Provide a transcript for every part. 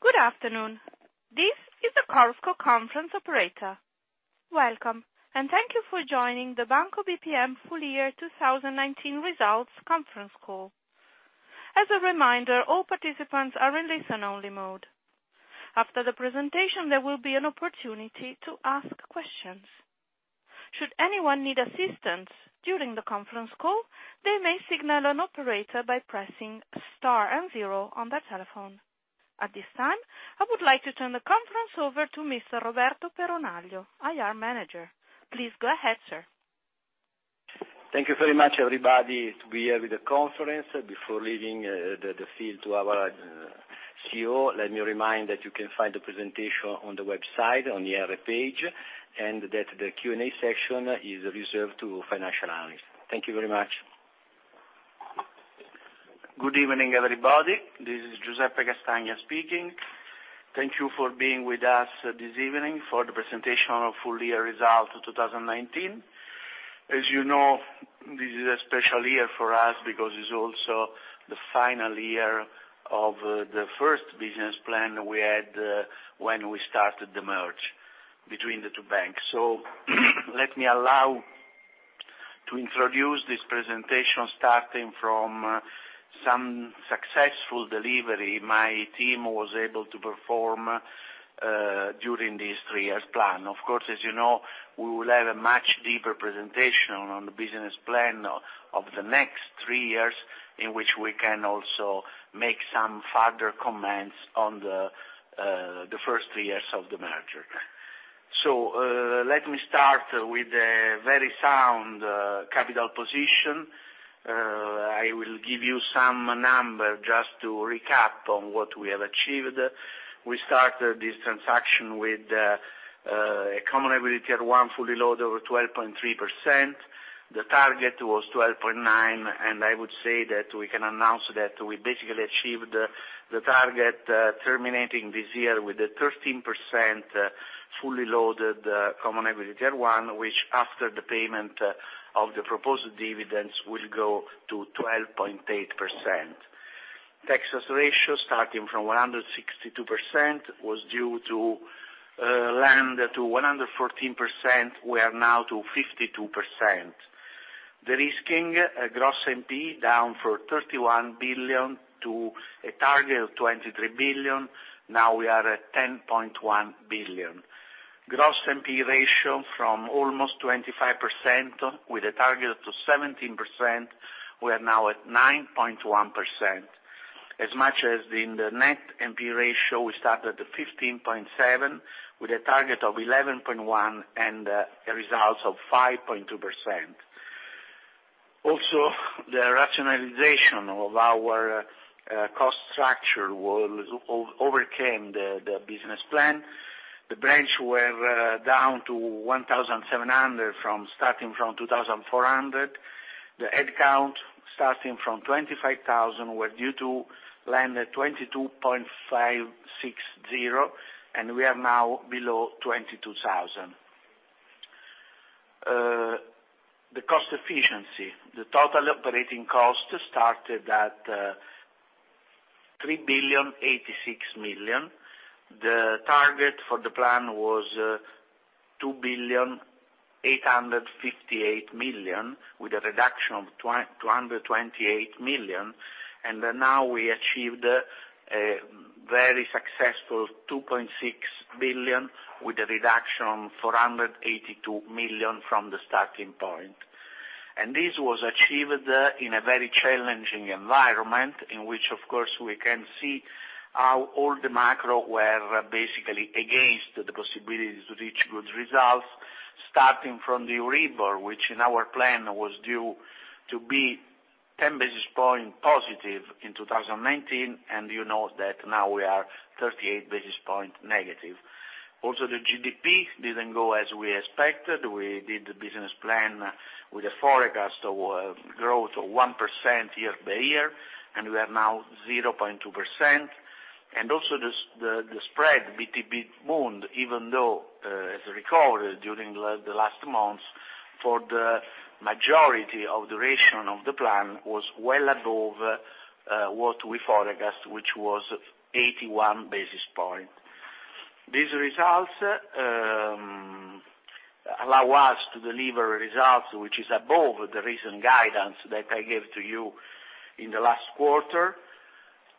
Good afternoon. This is the Chorus Call Conference operator. Welcome, and thank you for joining the Banco BPM full year 2019 results conference call. As a reminder, all participants are in listen-only mode. After the presentation, there will be an opportunity to ask questions. Should anyone need assistance during the conference call, they may signal an operator by pressing star and zero on their telephone. At this time, I would like to turn the conference over to Mr. Roberto Peronaglio, IR manager. Please go ahead, sir. Thank you very much, everybody, to be here with the conference. Before leaving the field to our CEO, let me remind that you can find the presentation on the website, on the IR page, and that the Q&A section is reserved to financial analysts. Thank you very much. Good evening, everybody. This is Giuseppe Castagna speaking. Thank you for being with us this evening for the presentation of full year results of 2019. As you know, this is a special year for us because it's also the final year of the first business plan we had when we started the merge between the two banks. Let me allow to introduce this presentation starting from some successful delivery my team was able to perform during this three-years plan. Of course, as you know, we will have a much deeper presentation on the business plan of the next three years, in which we can also make some further comments on the first three years of the merger. Let me start with a very sound capital position. I will give you some number just to recap on what we have achieved. We started this transaction with a Common Equity Tier 1 fully loaded over 12.3%. The target was 12.9%, and I would say that we can announce that we basically achieved the target terminating this year with a 13% fully loaded Common Equity Tier 1, which after the payment of the proposed dividends, will go to 12.8%. Texas Ratio starting from 162% was due to lend to 114%, we are now to 52%. De-risking gross NPE down from 31 billion to a target of 23 billion. Now we are at 10.1 billion. Gross NPE ratio from almost 25% with a target to 17%, we are now at 9.1%. As much as in the net NPE ratio, we started at 15.7% with a target of 11.1% and the results of 5.2%. Also, the rationalization of our cost structure overcame the business plan. The branch were down to 1,700 starting from 2,400. The head count starting from 25,000, were due to land at 22.560, and we are now below 22,000. The cost efficiency. The total operating cost started at 3.086 billion. The target for the plan was 2.858 billion with a reduction of 228 million, and now we achieved a very successful 2.6 billion with a reduction of 482 million from the starting point. This was achieved in a very challenging environment in which, of course, we can see how all the macro were basically against the possibilities to reach good results, starting from the Euribor, which in our plan was due to be 10 basis points positive in 2019, and you know that now we are 38 basis points negative. The GDP didn't go as we expected. We did the business plan with a forecast of growth of 1% year by year, and we are now 0.2%. Also the spread, BTP Bund, even though has recovered during the last months for the majority of duration of the plan was well above what we forecast, which was 81 basis points. These results allow us to deliver results which is above the recent guidance that I gave to you in the last quarter,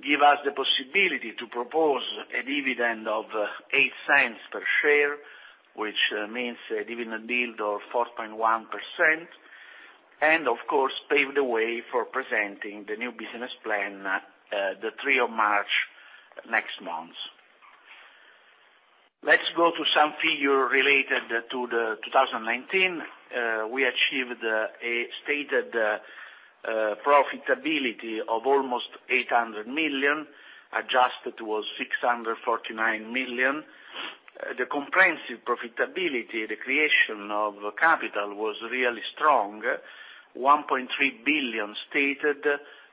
give us the possibility to propose a dividend of 0.08 per share, which means a dividend yield of 4.1%, of course, paved the way for presenting the new business plan date three of March next month. Let's go to some figure related to the 2019. We achieved a stated profitability of almost 800 million, adjusted was 649 million. The comprehensive profitability, the creation of capital was really strong, 1.3 billion stated,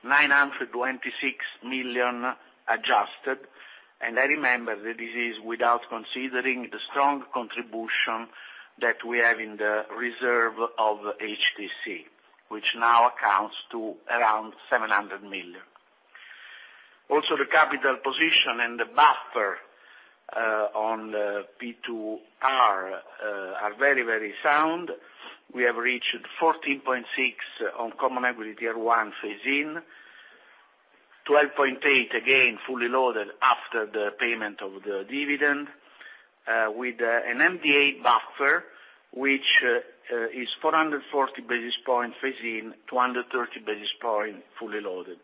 926 million adjusted. I remember that this is without considering the strong contribution that we have in the reserve of HTC, which now accounts to around 700 million. Also, the capital position and the buffer on P2R are very sound. We have reached 14.6 on common equity Tier 1 phase-in, 12.8 again, fully loaded after the payment of the dividend, with an MDA buffer, which is 440 basis points phase-in, 230 basis points fully loaded.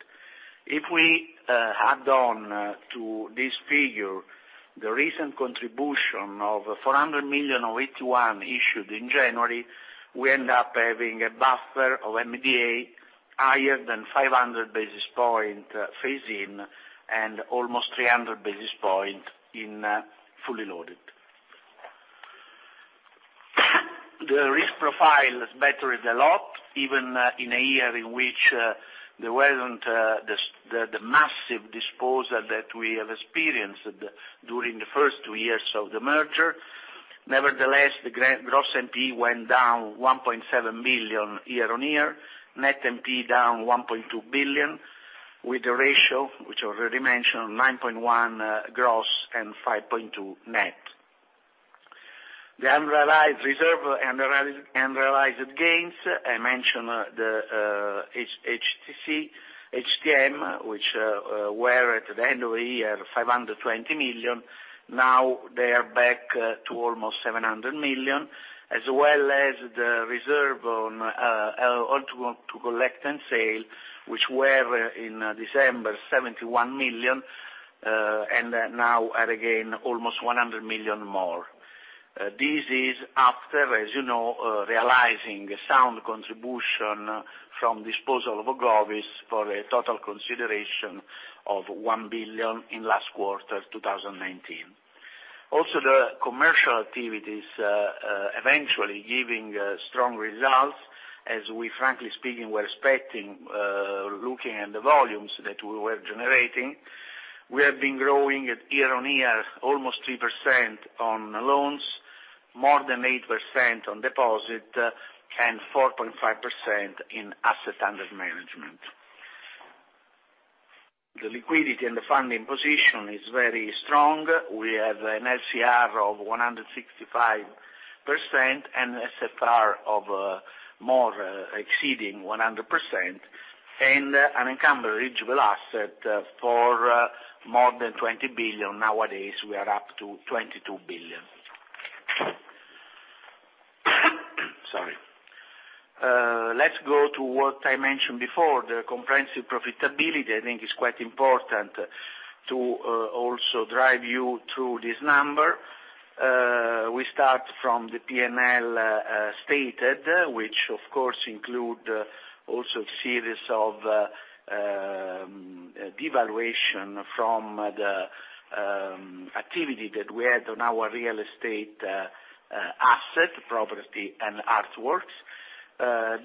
If we add on to this figure, the recent contribution of 400 million of AT1 issued in January, we end up having a buffer of MDA higher than 500 basis points phase-in and almost 300 basis points in fully loaded. The risk profile has bettered a lot, even in a year in which there wasn't the massive disposal that we have experienced during the first two years of the merger. Nevertheless, the gross NPE went down 1.7 billion year-on-year, net NPE down 1.2 billion, with the ratio, which I already mentioned, 9.1 gross and 5.2 net. The unrealized reserve and unrealized gains, I mentioned the HTC, HTM, which were at the end of the year 520 million. Now they are back to almost 700 million, as well as the reserve on to collect and sale, which were in December, 71 million, and now are again almost 100 million more. This is after, as you know, realizing sound contribution from disposal of a Govies for a total consideration of 1 billion in last quarter of 2019. The commercial activities, eventually giving strong results as we frankly speaking, were expecting, looking at the volumes that we were generating. We have been growing year-on-year, almost 3% on loans, more than 8% on deposit, and 4.5% in asset under management. The liquidity and the funding position is very strong. We have an LCR of 165% and NSFR of more exceeding 100% and an encumbered eligible asset for more than 20 billion. Nowadays, we are up to 22 billion. Sorry. Let's go to what I mentioned before, the comprehensive profitability. I think it's quite important to also drive you through this number. We start from the P&L stated, which of course include also series of devaluation from the activity that we had on our real estate asset, property and artworks.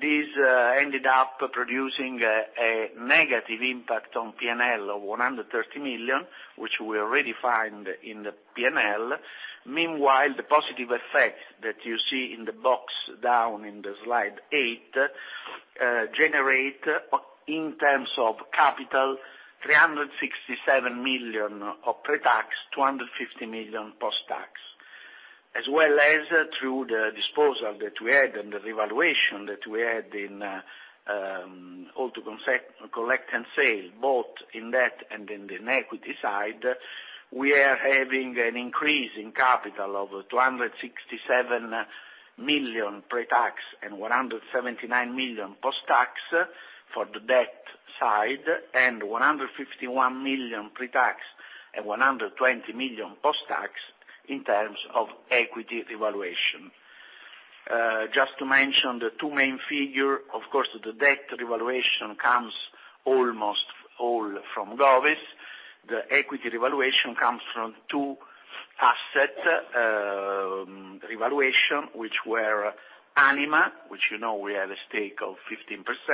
This ended up producing a negative impact on P&L of 130 million, which we already find in the P&L. Meanwhile, the positive effect that you see in the box down in the slide eight, generate in terms of capital 367 million of pre-tax, 250 million post-tax. As well as through the disposal that we had and the revaluation that we had in held to collect and sell, both in debt and in the equity side, we are having an increase in capital of 267 million pre-tax and 179 million post-tax for the debt side and 151 million pre-tax and 120 million post-tax in terms of equity revaluation. Just to mention the two main figure, of course, the debt revaluation comes almost all from Govies. The equity revaluation comes from two asset revaluation, which were Anima, which you know we have a stake of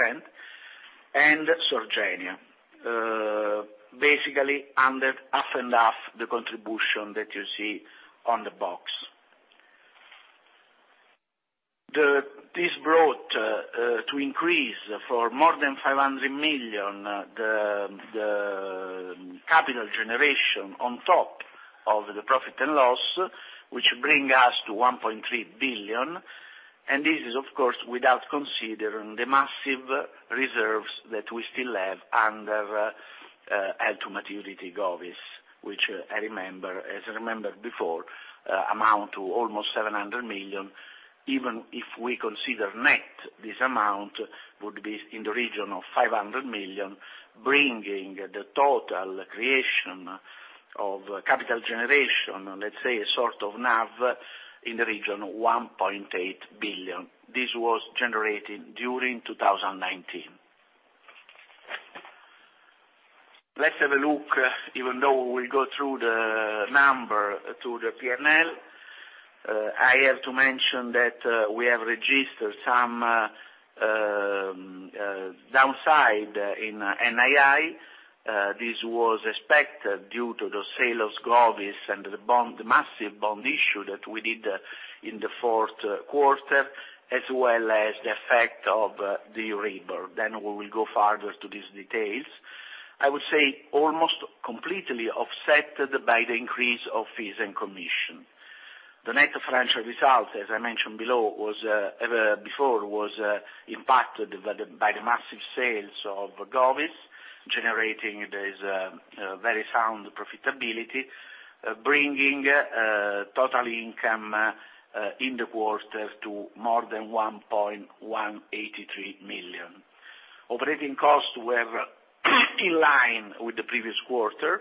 15%, and Sogeaal. Basically under half and half the contribution that you see on the box. This brought to increase for more than 500 million the capital generation on top of the profit and loss, which bring us to 1.3 billion, and this is of course without considering the massive reserves that we still have under held-to-maturity Govies, which as I remembered before, amount to almost 700 million. Even if we consider net, this amount would be in the region of 500 million, bringing the total creation of capital generation, let's say, a sort of NAV in the region 1.8 billion. This was generated during 2019. Let's have a look, even though we will go through the number to the P&L. I have to mention that we have registered some downside in NII. This was expected due to the sale of Govies and the massive bond issue that we did in the fourth quarter, as well as the effect of the Euribor. We will go further into these details. I would say almost completely offset by the increase of fees and commission. The net financial results, as I mentioned before, was impacted by the massive sales of Govies, generating this very sound profitability, bringing total income in the quarter to more than 1.183 million. Operating costs were in line with the previous quarter,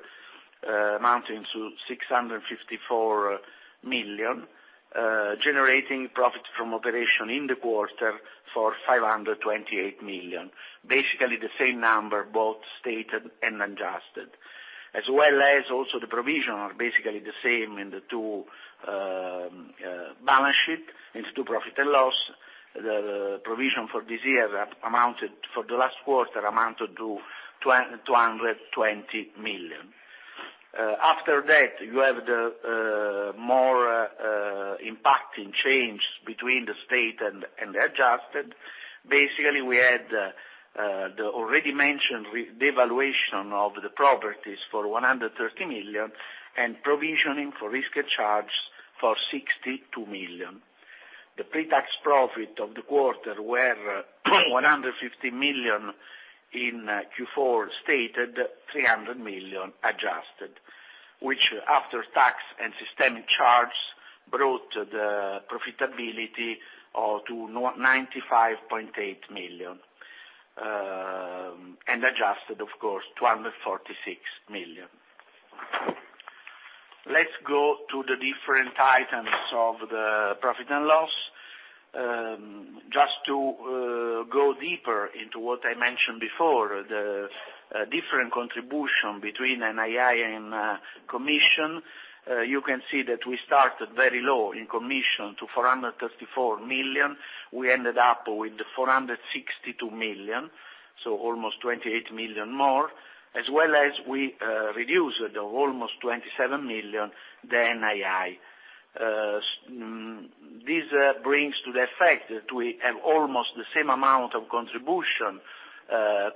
amounting to 654 million, generating profit from operation in the quarter for 528 million. Basically, the same number, both stated and adjusted. As well as also the provision are basically the same in the two profit and loss. The provision for this year, for the last quarter, amounted to 220 million. After that, you have the more impacting change between the state and the adjusted. Basically, we had the already mentioned devaluation of the properties for 130 million and provisioning for risk charge for 62 million. The pre-tax profit of the quarter were 150 million in Q4 stated, 300 million adjusted, which after tax and systemic charge, brought the profitability to 95.8 million. Adjusted, of course, 246 million. Let's go to the different items of the profit and loss. Just to go deeper into what I mentioned before, the different contribution between NII and commission, you can see that we started very low in commission to 434 million. We ended up with 462 million, almost 28 million more, as well as we reduced almost 27 million the NII. This brings to the effect that we have almost the same amount of contribution,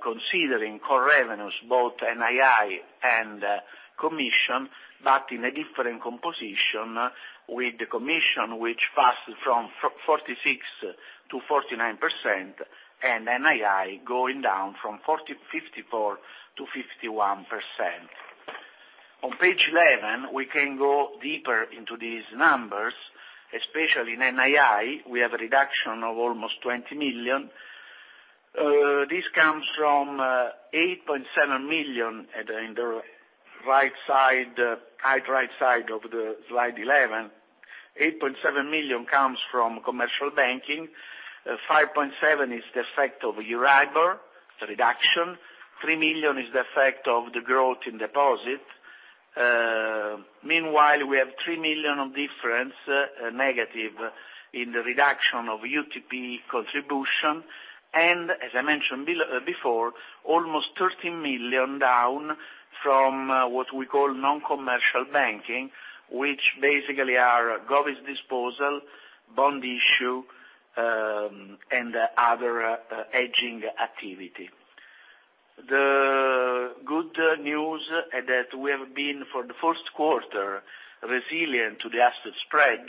considering core revenues, both NII and commission, but in a different composition with the commission, which passed from 46%-49%, and NII going down from 54%-51%. On page 11, we can go deeper into these numbers, especially in NII, we have a reduction of almost 20 million. This comes from 8.7 million at the right side of the slide 11. 8.7 million comes from commercial banking. 5.7 is the effect of Euribor, the reduction. 3 million is the effect of the growth in deposit. Meanwhile, we have 3 million of difference, negative, in the reduction of UTP contribution. As I mentioned before, almost 13 million down from what we call non-commercial banking, which basically are Govies disposal, bond issue, and other hedging activity. The good news that we have been, for the first quarter, resilient to the asset spread.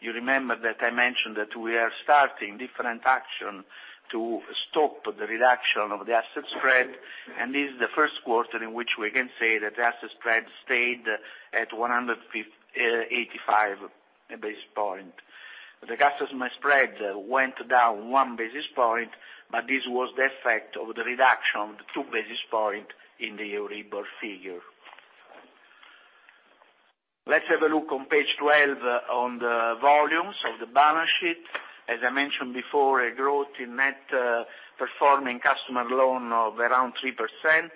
You remember that I mentioned that we are starting different action to stop the reduction of the asset spread. This is the first quarter in which we can say that the asset spread stayed at 185 basis points. The customer spread went down one basis point, this was the effect of the reduction of the two basis points in the Euribor figure. Let's have a look on page 12 on the volumes of the balance sheet. As I mentioned before, a growth in net performing customer loan of around 3%,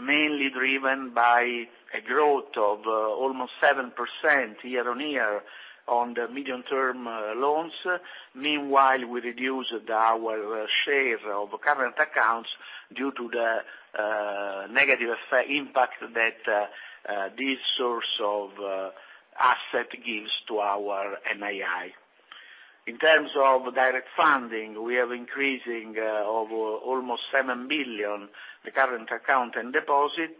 mainly driven by a growth of almost 7% year-on-year on the medium-term loans. Meanwhile, we reduced our share of current accounts due to the negative impact that this source of asset gives to our NII. In terms of direct funding, we are increasing of almost 7 billion the current account and deposit,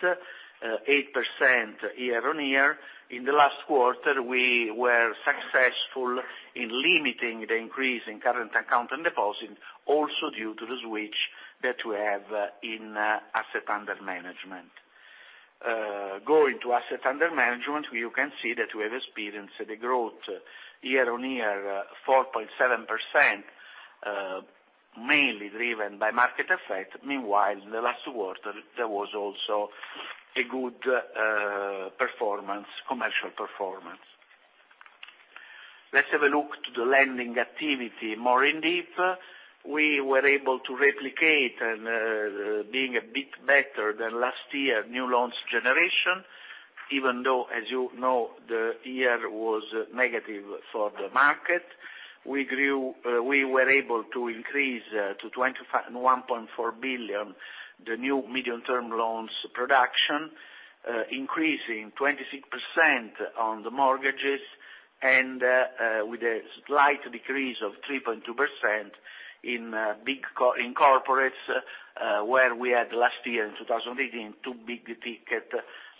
8% year-on-year. In the last quarter, we were successful in limiting the increase in current account and deposit also due to the switch that we have in asset under management. Going to asset under management, you can see that we have experienced the growth year-on-year 4.7%, mainly driven by market effect. Meanwhile, the last quarter, there was also a good commercial performance. Let's have a look to the lending activity more in depth. We were able to replicate and being a bit better than last year, new loans generation, even though, as you know, the year was negative for the market. We were able to increase to 21.4 billion the new medium-term loans production, increasing 26% on the mortgages, and with a slight decrease of 3.2% in corporates, where we had last year in 2018, two big-ticket,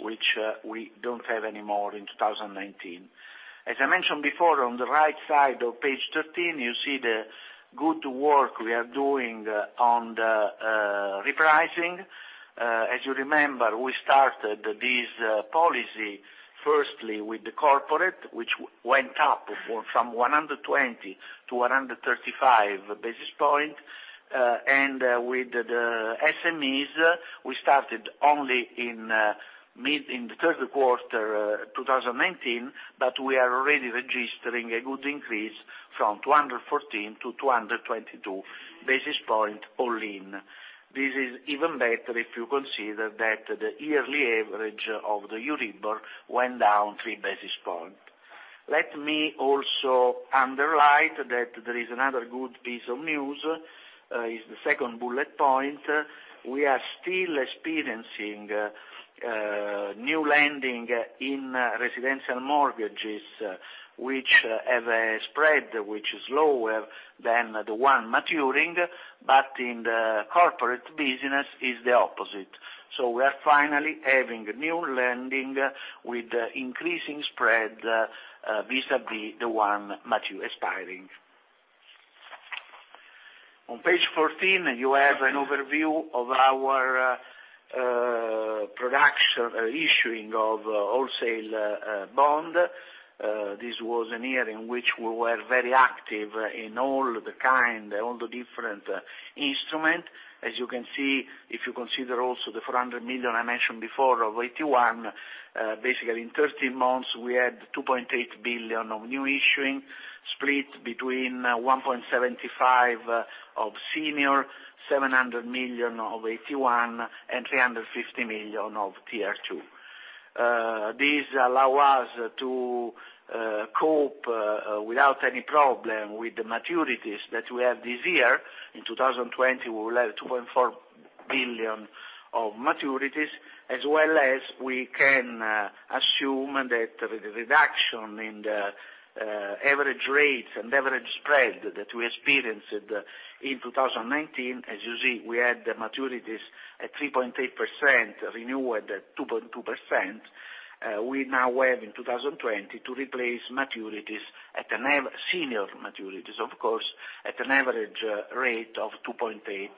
which we don't have anymore in 2019. As I mentioned before, on the right side of page 13, you see the good work we are doing on the repricing. As you remember, we started this policy firstly with the corporate, which went up from 120-135 basis points. With the SMEs, we started only in the third quarter 2019, but we are already registering a good increase from 214-222 basis points all-in. This is even better if you consider that the yearly average of the Euribor went down three basis points. Let me also underline that there is another good piece of news, is the second bullet point. We are still experiencing new lending in residential mortgages, which have a spread which is lower than the one maturing, but in the corporate business is the opposite. We are finally having new lending with increasing spread vis-à-vis the one expiring. On page 14, you have an overview of our production issuing of wholesale bond. This was a year in which we were very active in all the different instrument. As you can see, if you consider also the 400 million I mentioned before of AT1, basically in 13 months, we had 2.8 billion of new issuing, split between 1.75 billion of senior, 700 million of AT1 and 350 million of Tier 2. This allow us to cope without any problem with the maturities that we have this year. In 2020, we will have 2.4 billion of maturities as well as we can assume that the reduction in the average rate and average spread that we experienced in 2019, as you see, we had the maturities at 3.8%, renewed at 2.2%. We now have in 2020 to replace senior maturities, of course, at an average rate of 2.8%.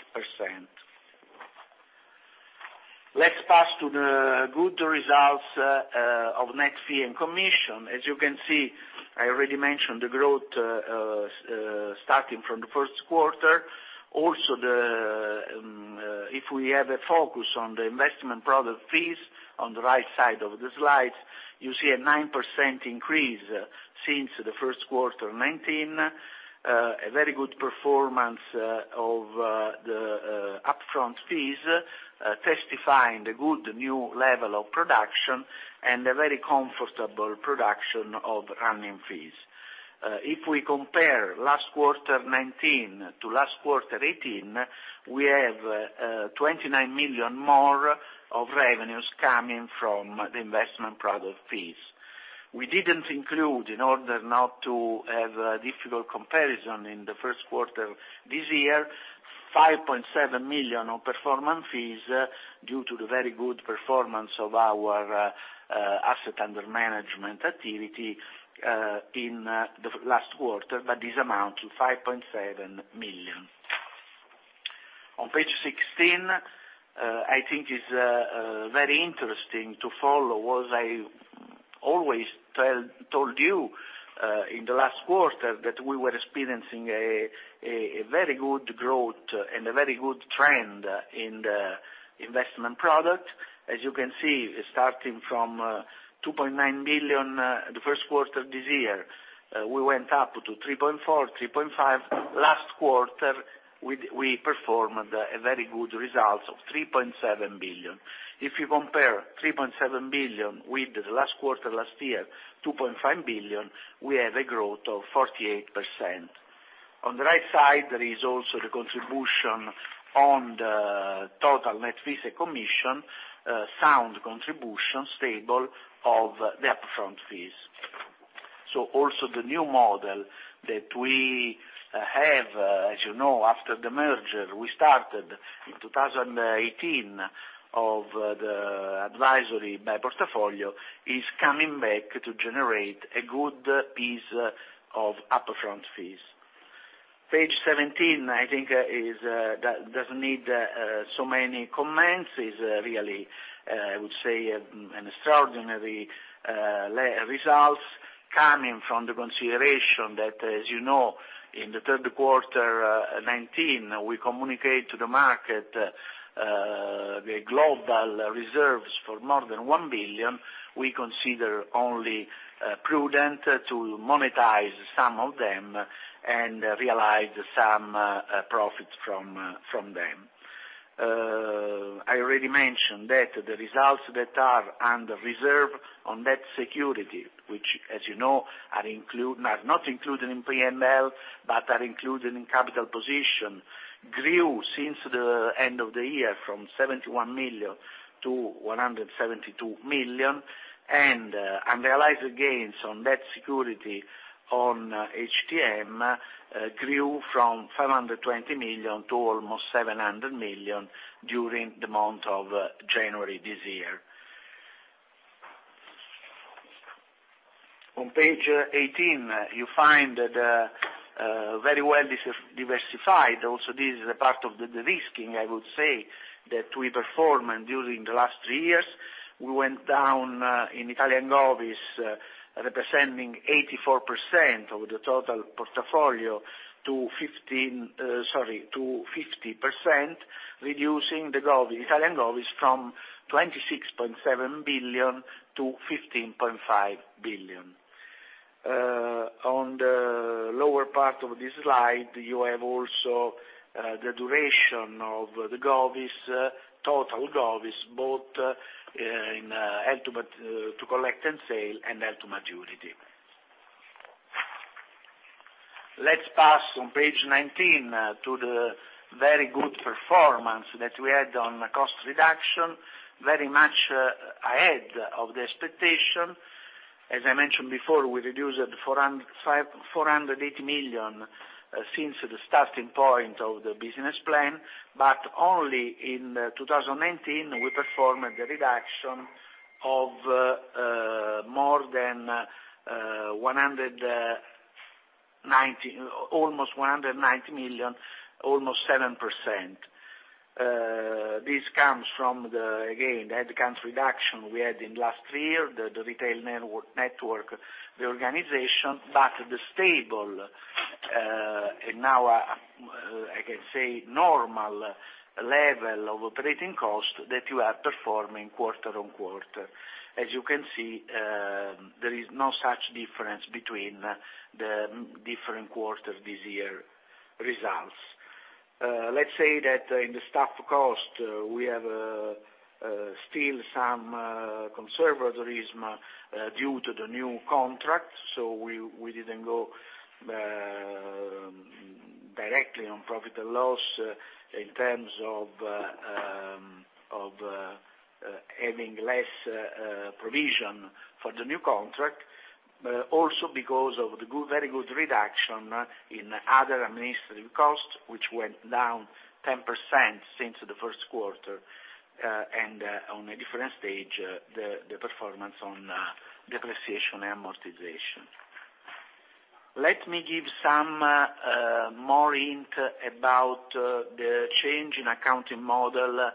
Let's pass to the good results of net fee and commission. As you can see, I already mentioned the growth starting from the first quarter. If we have a focus on the investment product fees on the right side of the slide, you see a 9% increase since the first quarter 2019. A very good performance of the upfront fees, testifying the good new level of production and a very comfortable production of running fees. If we compare last quarter 2019 to last quarter 2018, we have 29 million more of revenues coming from the investment product fees. We didn't include, in order not to have a difficult comparison in the first quarter this year, 5.7 million on performance fees due to the very good performance of our asset under management activity in the last quarter, but this amount to 5.7 million. On page 16, I think is very interesting to follow what I always told you in the last quarter that we were experiencing a very good growth and a very good trend in the investment product. As you can see, starting from 2.9 billion the first quarter this year, we went up to 3.4, 3.5. Last quarter, we performed a very good results of 3.7 billion. If you compare 3.7 billion with the last quarter last year, 2.5 billion, we have a growth of 48%. On the right side, there is also the contribution on the total net fees and commission, sound contribution, stable of the upfront fees. Also the new model that we have, as you know, after the merger we started in 2018 of the advisory by portfolio, is coming back to generate a good piece of upfront fees. Page 17, I think doesn't need so many comments, is really, I would say, an extraordinary results coming from the consideration that, as you know, in the third quarter 2019, we communicate to the market the global reserves for more than 1 billion. We consider only prudent to monetize some of them and realize some profit from them. I already mentioned that the results that are under reserve on that security, which as you know, are not included in P&L, but are included in capital position, grew since the end of the year from 71 million to 172 million, and unrealized gains on that security on HTM grew from 520 million to almost 700 million during the month of January this year. On page 18, you find that very well diversified, also this is a part of the de-risking, I would say, that we perform. During the last three years, we went down in Italian GovBs, representing 84% of the total portfolio to 50%, reducing the Italian GovBs from 26.7 billion-15.5 billion. On the lower part of this slide, you have also the duration of the total GovBs, both to collect and sale and hold to maturity. Let's pass on page 19 to the very good performance that we had on cost reduction, very much ahead of the expectation. As I mentioned before, we reduced 480 million since the starting point of the business plan, only in 2019, we performed the reduction of almost EUR 190 million, almost 7%. This comes from again, the headcounts reduction we had in last year, the retail network, the organization, but the stable, and now I can say, normal level of operating cost that you are performing quarter on quarter. As you can see, there is no such difference between the different quarters this year results. Let's say that in the staff cost, we have still some conservatism due to the new contract, so we didn't go directly on profit and loss in terms of having less provision for the new contract. Also because of the very good reduction in other administrative costs, which went down 10% since the first quarter, and on a different stage, the performance on depreciation amortization. Let me give some more hint about the change in accounting model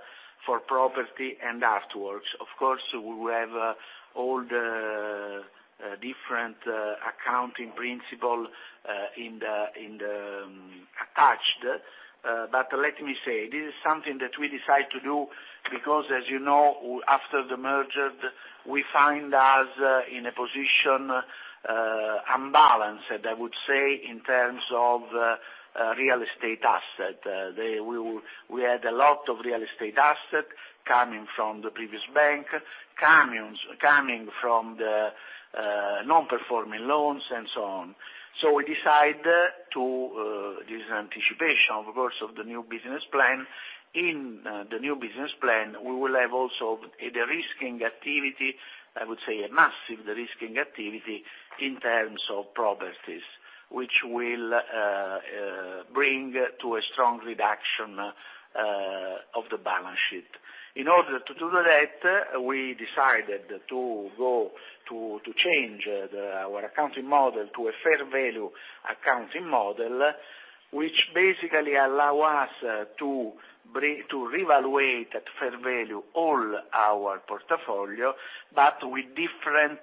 for property and artworks. Of course, we will have all the different accounting principle in the attached. Let me say, this is something that we decide to do because, as you know, after the merger, we find us in a position unbalanced, I would say, in terms of real estate asset. We had a lot of real estate asset coming from the previous bank, coming from the non-performing loans and so on. We decide to this anticipation, of course, of the new business plan. In the new business plan, we will have also the de-risking activity, I would say a massive de-risking activity in terms of properties, which will bring to a strong reduction of the balance sheet. In order to do that, we decided to change our accounting model to a fair value accounting model, which basically allow us to revaluate at fair value all our portfolio, but with different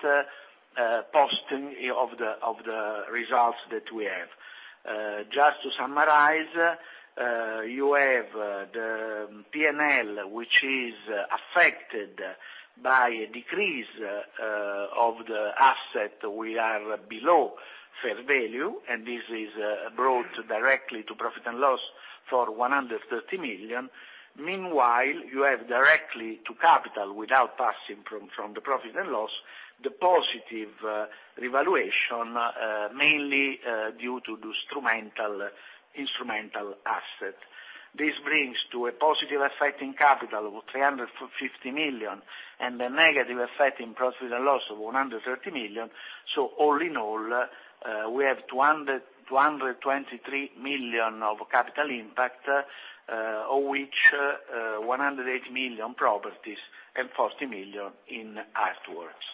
posting of the results that we have. Just to summarize, you have the P&L, which is affected by a decrease of the asset. We are below fair value, this is brought directly to profit and loss for 130 million. Meanwhile, you have directly to capital, without passing from the profit and loss, the positive revaluation, mainly due to the instrumental asset. This brings to a positive effect in capital of 350 million and a negative effect in profit and loss of 130 million. All in all, we have 223 million of capital impact, of which 108 million properties and 40 million in artworks.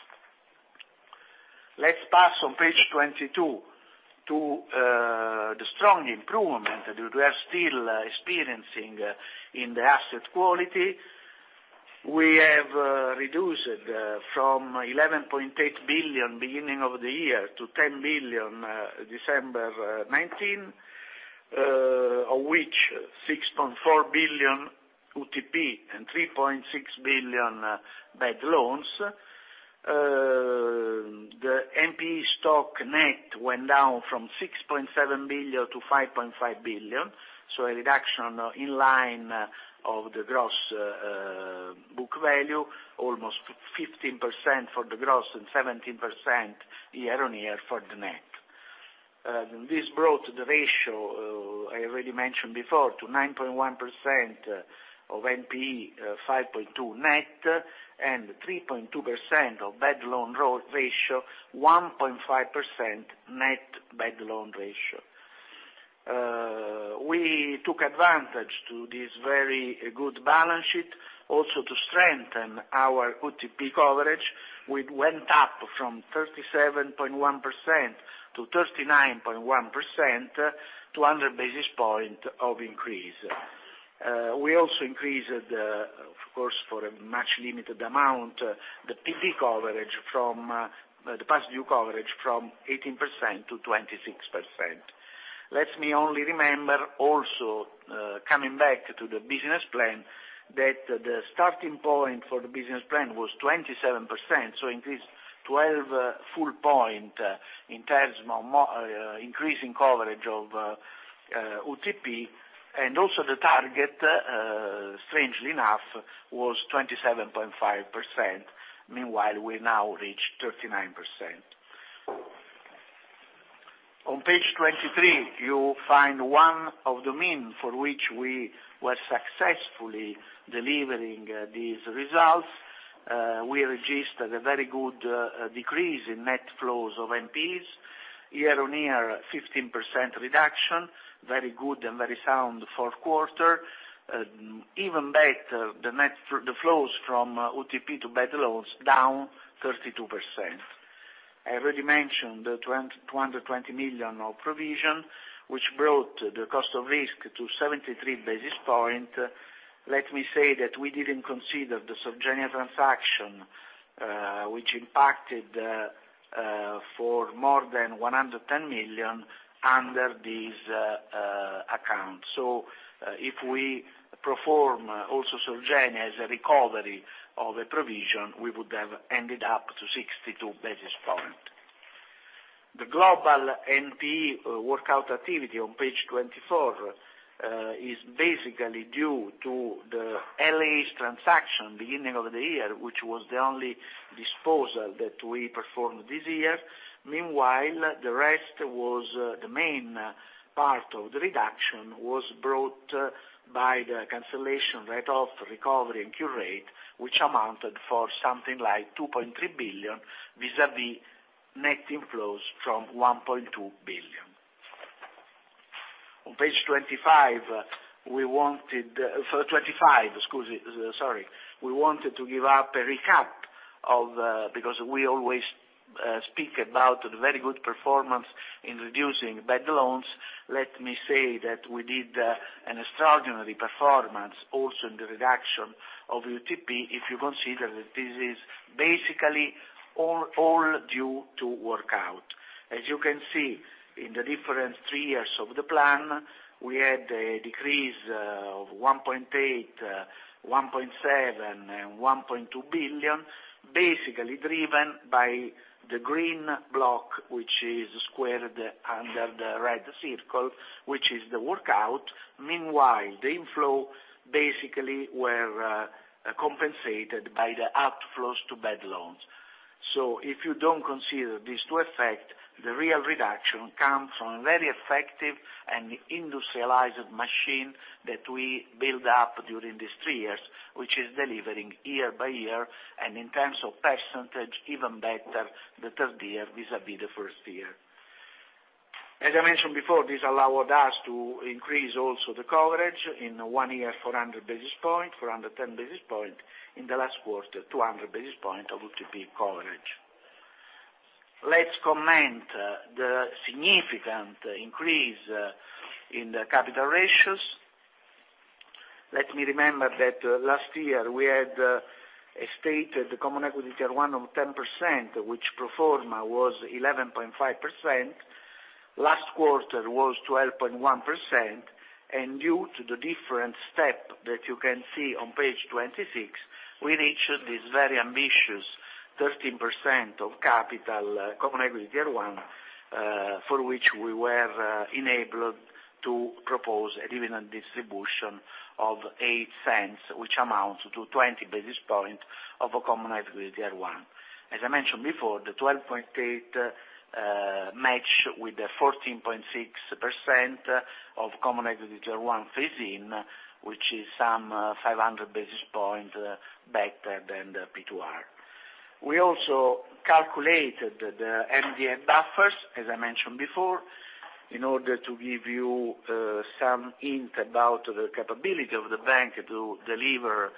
Let's pass on page 22 to the strong improvement that we are still experiencing in the asset quality. We have reduced from 11.8 billion beginning of the year to 10 billion December 2019, of which 6.4 billion UTP and 3.6 billion bad loans. The NPE stock net went down from 6.7 billion-5.5 billion, a reduction in line of the gross book value, almost 15% for the gross and 17% year-on-year for the net. This brought the ratio, I already mentioned before, to 9.1% of NPE, 5.2 net, and 3.2% of bad loan ratio, 1.5% net bad loan ratio. We took advantage to this very good balance sheet also to strengthen our UTP coverage, which went up from 37.1%-39.1%, 200 basis points of increase. We also increased, of course, for a much limited amount, the past due coverage from 18%-26%. Let me only remember also, coming back to the business plan, that the starting point for the business plan was 27%, so increased 12 full points in terms of increasing coverage of UTP, and also the target, strangely enough, was 27.5%. Meanwhile, we now reached 39%. On page 23, you find one of the means for which we were successfully delivering these results. We registered a very good decrease in net flows of NPEs, year-on-year 15% reduction, very good and very sound fourth quarter. Even better, the flows from UTP to bad loans down 32%. I already mentioned the 220 million of provision, which brought the cost of risk to 73 basis points. Let me say that we didn't consider the Sorgenia transaction, which impacted for more than 110 million under these accounts. If we pro forma also Sorgenia as a recovery of a provision, we would have ended up to 62 basis points. The global NPE workout activity on page 24 is basically due to the LA's transaction beginning of the year, which was the only disposal that we performed this year. Meanwhile, the main part of the reduction was brought by the cancellation, write-off, recovery, and cure rate, which amounted for something like 2.3 billion vis-à-vis net inflows from EUR 1.2 billion. On page 25, we wanted to give up a recap because we always speak about the very good performance in reducing bad loans. Let me say that we did an extraordinary performance also in the reduction of UTP if you consider that this is basically all due to workout. As you can see in the different three years of the plan, we had a decrease of 1.8 billion, 1.7 billion, and 1.2 billion, basically driven by the green block, which is squared under the red circle, which is the workout. Meanwhile, the inflow basically were compensated by the outflows to bad loans. If you don't consider these two effects, the real reduction comes from a very effective and industrialized machine that we build up during these three years, which is delivering year by year, and in terms of percentage, even better the third year vis-à-vis the first year. As I mentioned before, this allowed us to increase also the coverage in one year 400 basis points, 410 basis points, in the last quarter, 200 basis points of UTP coverage. Let's comment the significant increase in the capital ratios. Let me remember that last year we had a stated common equity Tier 1 of 10%, which pro forma was 11.5%. Last quarter was 12.1%. Due to the different step that you can see on page 26, we reached this very ambitious 13% of common equity Tier 1, for which we were enabled to propose a dividend distribution of 0.08, which amounts to 20 basis points of a common equity Tier 1. As I mentioned before, the 12.8% match with the 14.6% of common equity Tier 1 phase in, which is some 500 basis points better than the P2R. We also calculated the MREL buffers, as I mentioned before, in order to give you some hint about the capability of the bank to deliver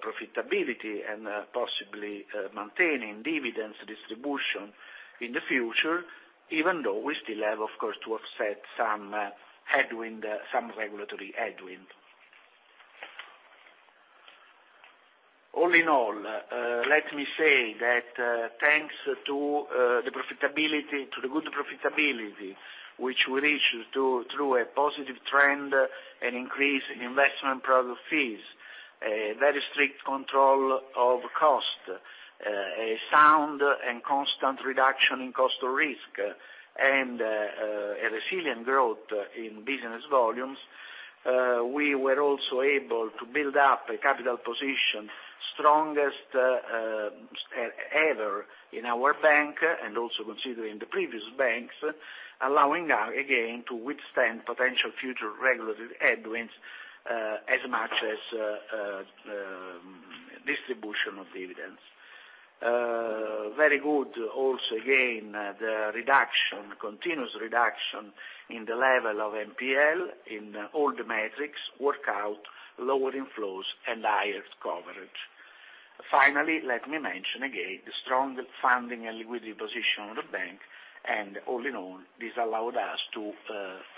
profitability and possibly maintaining dividends distribution in the future, even though we still have, of course, to offset some regulatory headwind. All in all, let me say that thanks to the good profitability, which we reached through a positive trend and increase in investment product fees, a very strict control of cost, a sound and constant reduction in cost of risk, and a resilient growth in business volumes. We were also able to build up a capital position strongest ever in our bank, and also considering the previous banks, allowing us, again, to withstand potential future regulatory headwinds as much as distribution of dividends. Very good, also, again, the continuous reduction in the level of NPL in all the metrics, work out lower inflows and higher coverage. Finally, let me mention again the strong funding and liquidity position of the bank. All in all, this allowed us to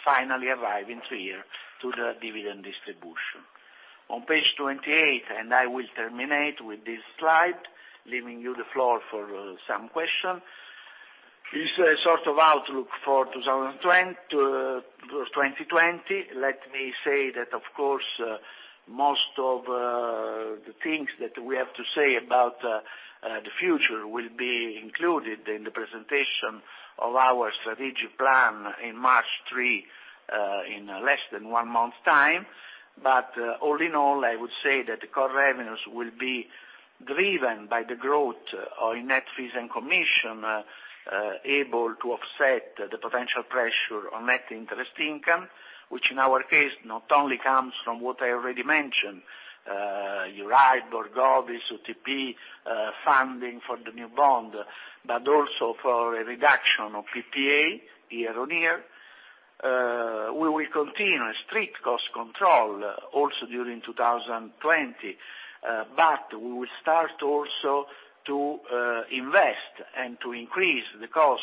finally arrive into year to the dividend distribution. On page 28, I will terminate with this slide, leaving you the floor for some question. This is a sort of outlook for 2020. Let me say that, of course, most of the things that we have to say about the future will be included in the presentation of our strategic plan in March three, in less than one month's time. All in all, I would say that the core revenues will be driven by the growth in net fees and commission, able to offset the potential pressure on net interest income, which in our case, not only comes from what I already mentioned, Euribor, Borgovis, UTP, funding for the new bond, but also for a reduction of PPA year-on-year. We will continue strict cost control also during 2020. We will start also to invest and to increase the cost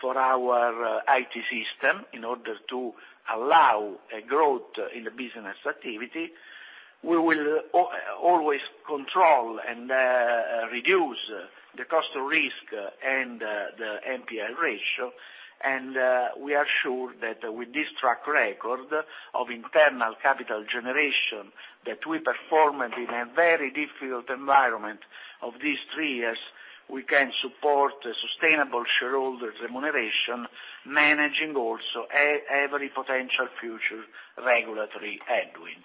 for our IT system in order to allow a growth in the business activity. We will always control and reduce the cost of risk and the NPL ratio. We are sure that with this track record of internal capital generation, that we performed in a very difficult environment of these three years, we can support a sustainable shareholder remuneration, managing also every potential future regulatory headwind.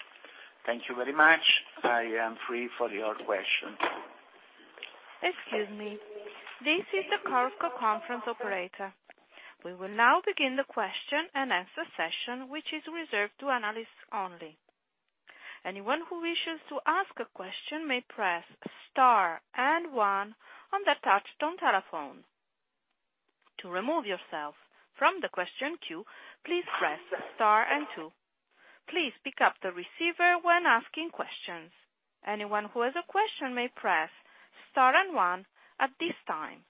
Thank you very much. I am free for your question. Excuse me. This is the Chorus Call conference operator. We will now begin the question-and-answer session, which is reserved to analysts only. Anyone who wishes to ask a question may press star and one on their touch-tone telephone. To remove yourself from the question queue, please press star and two. Please pick up the receiver when asking questions. Anyone who has a question may press star and one at this time.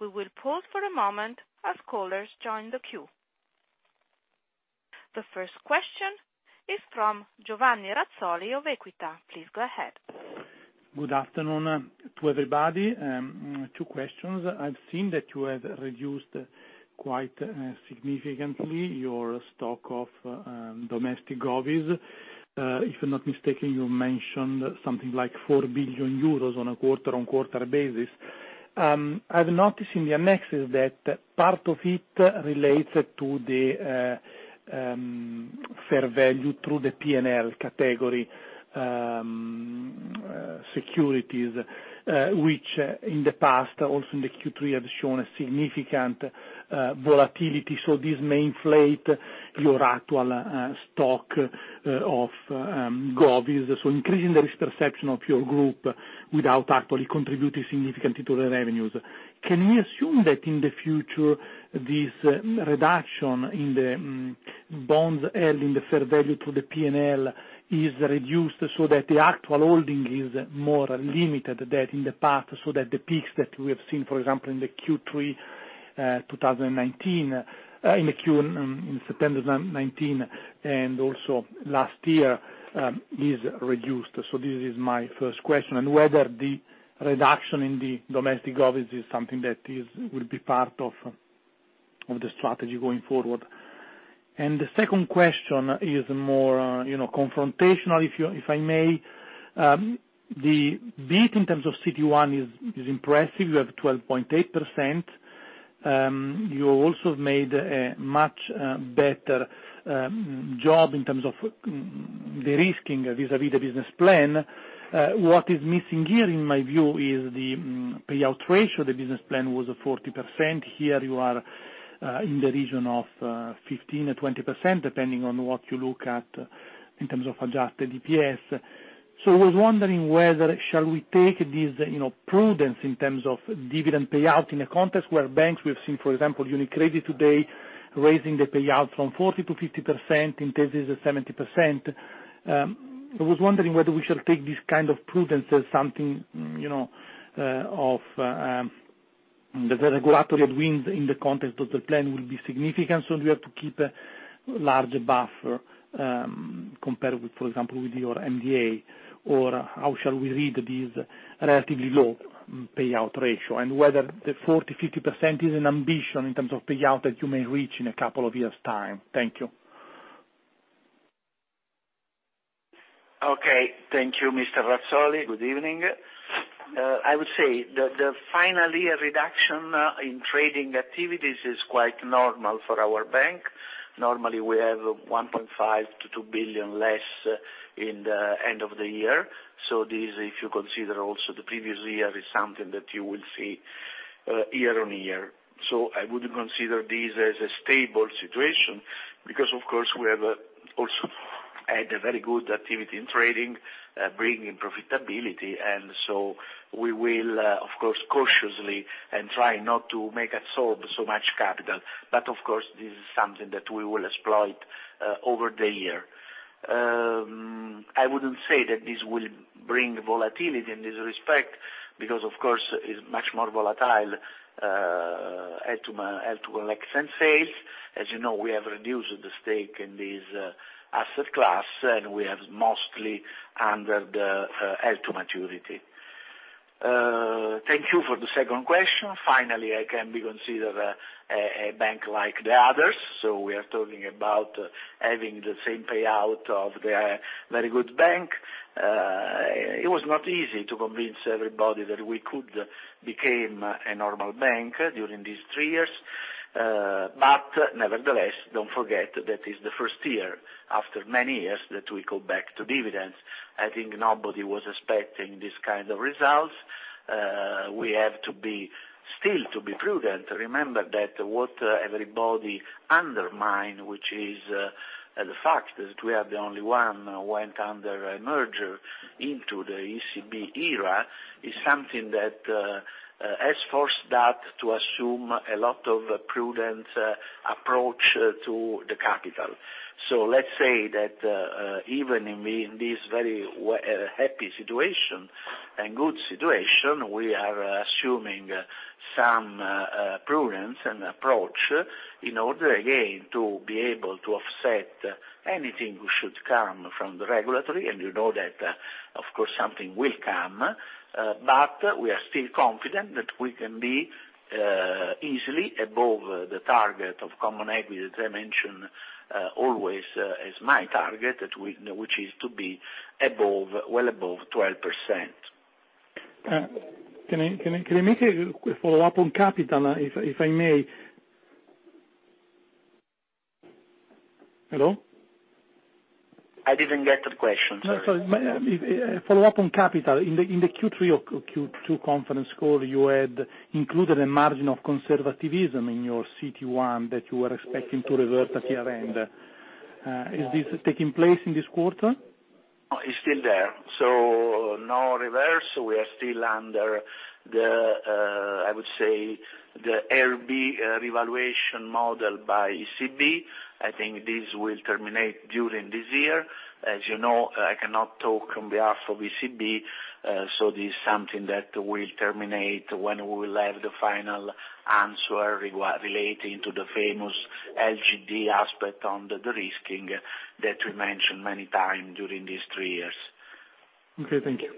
We will pause for a moment as callers join the queue. The first question is from Giovanni Razzoli of Equita. Please go ahead. Good afternoon to everybody. Two questions. I've seen that you have reduced quite significantly your stock of domestic govies. If I'm not mistaken, you mentioned something like 4 billion euros on a quarter-on-quarter basis. I've noticed in the annexes that part of it relates to the fair value through the P&L category securities, which in the past, also in the Q3, have shown a significant volatility. This may inflate your actual stock of govies, so increasing the risk perception of your group without actually contributing significantly to the revenues. Can we assume that in the future, this reduction in the bonds held in the fair value to the P&L is reduced so that the actual holding is more limited than in the past, so that the peaks that we have seen, for example, in September 2019, and also last year, is reduced? This is my first question, and whether the reduction in the domestic Govies is something that will be part of the strategy going forward. The second question is more confrontational, if I may. The beat in terms of CT1 is impressive. You have 12.8%. You also have made a much better job in terms of de-risking vis-à-vis the business plan. What is missing here, in my view, is the payout ratio. The business plan was 40%. Here you are in the region of 15% or 20%, depending on what you look at in terms of adjusted EPS. I was wondering whether, shall we take this prudence in terms of dividend payout in a context where banks, we have seen, for example, UniCredit today, raising the payout from 40%-50%, Intesa is 70%. I was wondering whether we shall take this kind of prudence as something of the regulatory winds in the context of the plan will be significant, so we have to keep a larger buffer, compared with, for example, with your MDA, or how shall we read this relatively low payout ratio? Whether the 40%, 50% is an ambition in terms of payout that you may reach in a couple of years' time. Thank you. Okay. Thank you, Mr. Razzoli. Good evening. I would say that finally, a reduction in trading activities is quite normal for our bank. Normally, we have 1.5 billion-2 billion less in the end of the year. This, if you consider also the previous year, is something that you will see year on year. So I wouldn't consider this as a stable situation because, of course, we have also had a very good activity in trading, bringing profitability and so, we will of course cautiously, and try not to make absorb so much capital. Of course, this is something that we will exploit over the year. I wouldn't say that this will bring volatility in this respect because, of course, it's much more volatile LTO and sales. As you know, we have reduced the stake in this asset class, and we have mostly under the LTO maturity. Thank you for the second question. Finally, I can be considered a bank like the others, so we are talking about having the same payout of the very good bank. It was not easy to convince everybody that we could become a normal bank during these three years. Nevertheless, don't forget that it's the first year after many years that we go back to dividends. I think nobody was expecting this kind of results. We have to be still to be prudent. Remember that what everybody underline, which is the fact that we are the only one went under a merger into the ECB era, is something that has forced us to assume a lot of prudent approach to the capital. Let's say that even in this very happy situation and good situation, we are assuming some prudence and approach in order, again, to be able to offset anything which should come from the regulatory. You know that of course something will come. We are still confident that we can be easily above the target of common equity, that I mention always as my target, which is to be well above 12%. Can I make a quick follow-up on capital, if I may? Hello? I didn't get the question, sorry. No, sorry. Follow-up on capital. In the Q3 or Q2 conference call, you had included a margin of conservatism in your CT1 that you were expecting to revert at year end. Is this taking place in this quarter? No, it's still there. No reverse. We are still under the, I would say, the IRB revaluation model by ECB. I think this will terminate during this year. As you know, I cannot talk on behalf of ECB, this is something that will terminate when we will have the final answer relating to the famous LGD aspect on the de-risking that we mentioned many times during these three years. Okay. Thank you.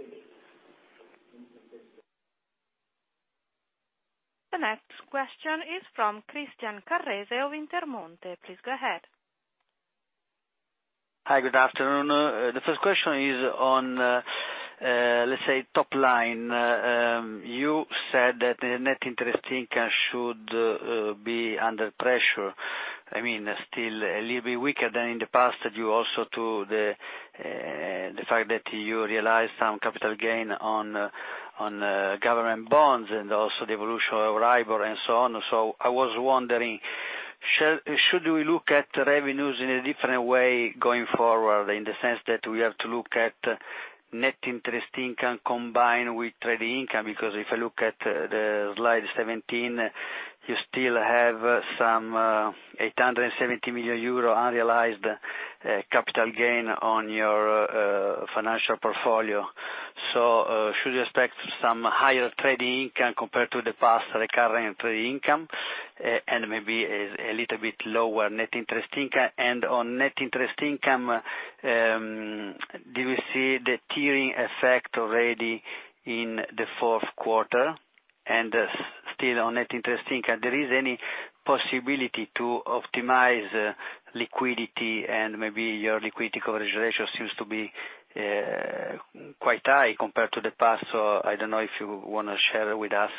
The next question is from Christian Carrese of Intermonte. Please go ahead. Hi, good afternoon. The first question is on, let's say, top line. You said that the net interest income should be under pressure. I mean, still a little bit weaker than in the past. Due also to the fact that you realized some capital gain on government bonds and also the evolution of Euribor and so on. I was wondering, should we look at revenues in a different way going forward, in the sense that we have to look at net interest income combined with trading income? Because if I look at slide 17, you still have some 870 million euro unrealized capital gain on your financial portfolio. Should we expect some higher trading income compared to the past recurring trading income and maybe a little bit lower net interest income? On net interest income, do you see the tiering effect already in the fourth quarter? Still on NII, there is any possibility to optimize liquidity and maybe your LCR seems to be quite high compared to the past. I don't know if you want to share with us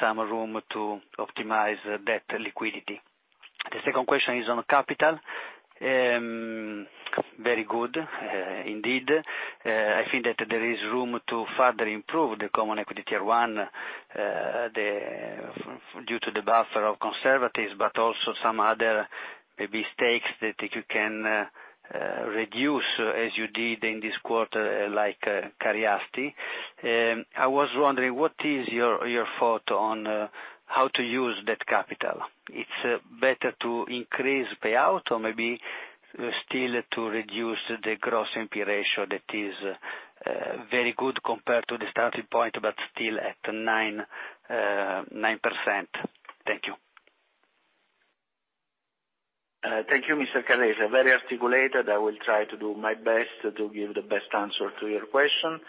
some room to optimize that liquidity. The second question is on capital. Very good, indeed. I think that there is room to further improve the common equity Tier 1 due to the buffer of conservatism, but also some other maybe stakes that you can reduce as you did in this quarter, like Cariati. I was wondering what is your thought on how to use that capital? It's better to increase payout or maybe still to reduce the gross NPL ratio that is very good compared to the starting point, but still at 9%. Thank you. Thank you, Mr. Carrese. Very articulated. I will try to do my best to give the best answer to your question.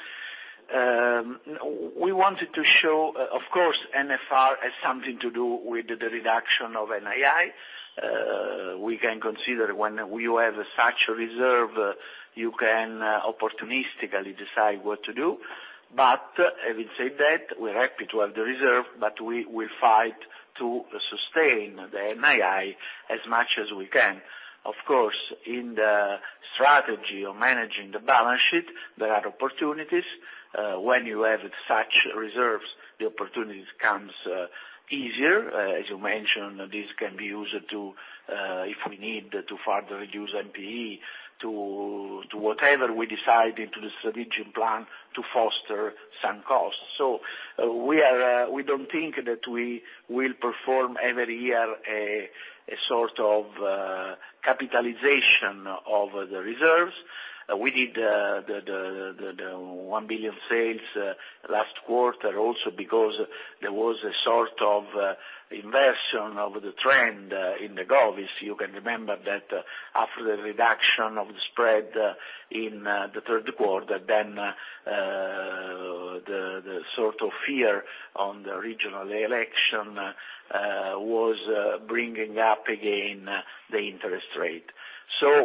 We wanted to show, of course, NFR has something to do with the reduction of NII. We can consider when you have such a reserve, you can opportunistically decide what to do. Having said that, we're happy to have the reserve, but we will fight to sustain the NII as much as we can. Of course, in the strategy of managing the balance sheet, there are opportunities. When you have such reserves, the opportunities comes easier. As you mentioned, this can be used, if we need to further reduce NPE to whatever we decide into the strategic plan to foster some costs. We don't think that we will perform every year a sort of capitalization of the reserves. We did the 1 billion sales last quarter also because there was a sort of inversion of the trend in the Govies. You can remember that after the reduction of the spread in the third quarter, then the sort of fear on the regional election was bringing up again the interest rate.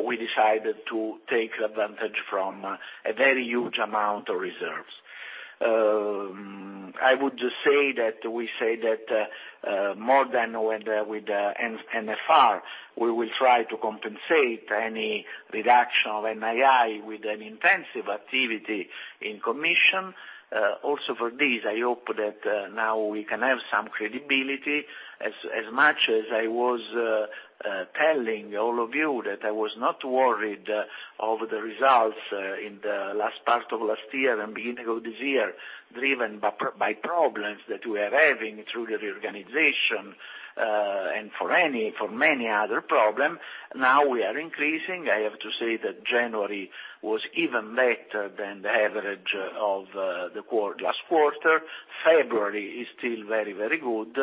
We decided to take advantage from a very huge amount of reserves. I would just say that we say that more than with NFR, we will try to compensate any reduction of NII with an intensive activity in commission. For this, I hope that now we can have some credibility. As much as I was telling all of you that I was not worried of the results in the last part of last year and beginning of this year, driven by problems that we are having through the reorganization, and for many other problem, now we are increasing. I have to say that January was even better than the average of the last quarter. February is still very good.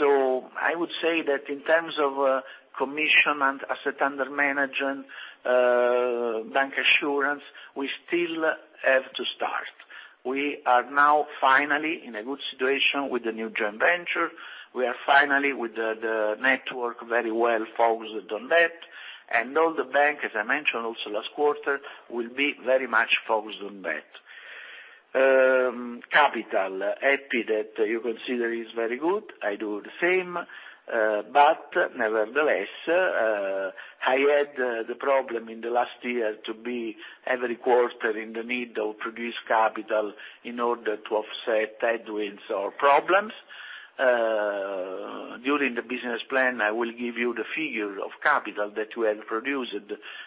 I would say that in terms of commission and asset under management, bank assurance, we still have to start. We are now finally in a good situation with the new joint venture. We are finally with the network very well focused on that, and all the bank, as I mentioned also last quarter, will be very much focused on that. Capital. Happy that you consider is very good. I do the same. Nevertheless, I had the problem in the last year to be every quarter in the need of produce capital in order to offset headwinds or problems. During the business plan, I will give you the figure of capital that we have produced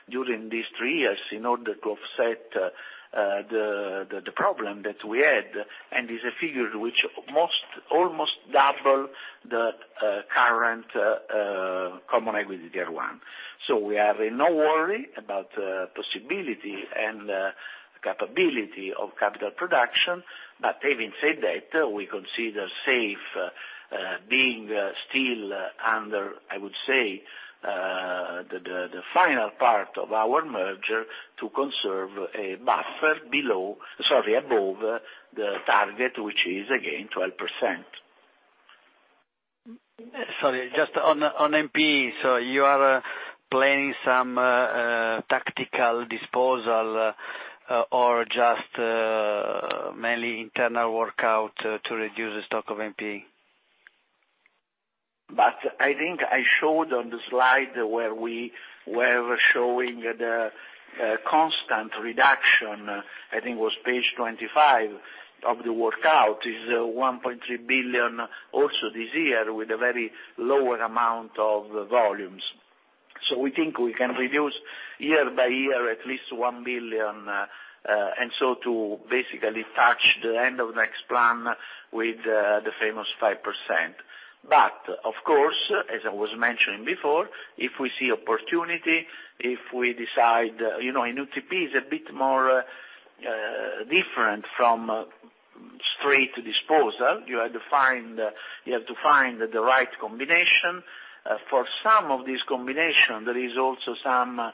during these three years in order to offset the problem that we had, and is a figure which almost double the current common equity Tier 1. We have no worry about possibility and capability of capital production. Having said that, we consider safe, being still under, I would say, the final part of our merger to conserve a buffer above the target, which is again 12%. Sorry, just on NPE. You are planning some tactical disposal or just mainly internal workout to reduce the stock of NPE? I think I showed on the slide where we were showing the constant reduction, I think it was page 25 of the workout, is 1.3 billion also this year, with a very lower amount of volumes. We think we can reduce year by year at least 1 billion, and so to basically touch the end of next plan with the famous 5%. Of course, as I was mentioning before, if we see opportunity, in UTP is a bit more different from straight to disposal. You have to find the right combination. For some of this combination, there is also some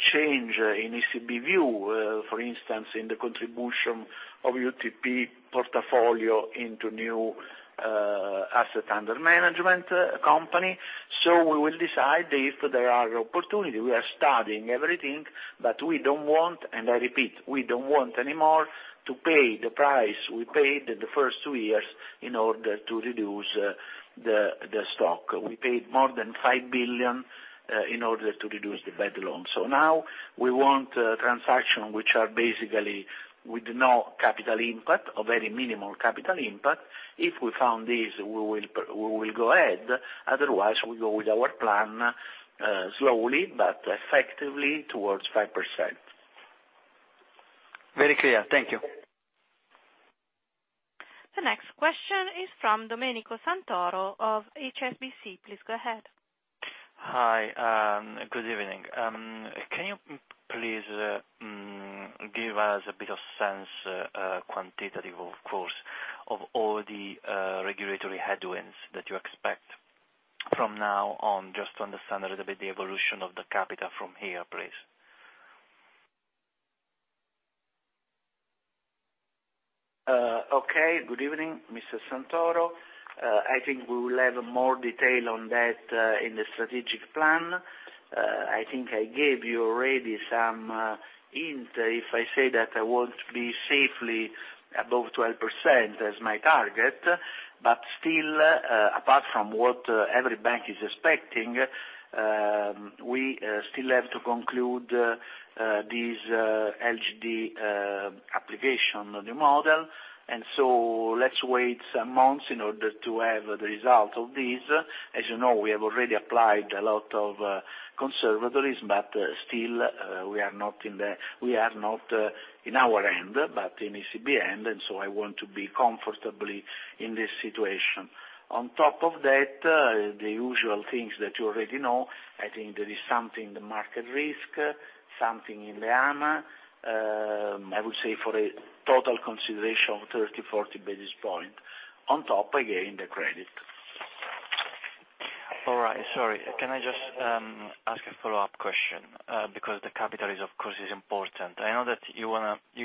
change in ECB view. For instance, in the contribution of UTP portfolio into new asset under management company. We will decide if there are opportunity. We are studying everything, but we don't want, and I repeat, we don't want anymore to pay the price we paid the first two years in order to reduce the stock. We paid more than 5 billion in order to reduce the bad loans. Now we want transaction which are basically with no capital input or very minimal capital input. If we found this, we will go ahead. Otherwise, we go with our plan slowly but effectively towards 5%. Very clear. Thank you. The next question is from Domenico Santoro of HSBC. Please go ahead. Hi. Good evening. Can you please give us a bit of sense, quantitative, of course, of all the regulatory headwinds that you expect from now on, just to understand a little bit the evolution of the capital from here, please. Okay. Good evening, Mr. Santoro. I think we will have more detail on that in the strategic plan. I think I gave you already some hint if I say that I want to be safely above 12% as my target. Still, apart from what every bank is expecting, we still have to conclude this LGD application of the model. Let's wait some months in order to have the result of this. As you know, we have already applied a lot of conservatism, but still we are not in our end, but in ECB's end. I want to be comfortably in this situation. On top of that, the usual things that you already know, I think there is something in the market risk, something in the AMA, I would say for a total consideration of 30, 40 basis points. On top, again, the credit. All right. Sorry, can I just ask a follow-up question? The capital is, of course, important. I know that you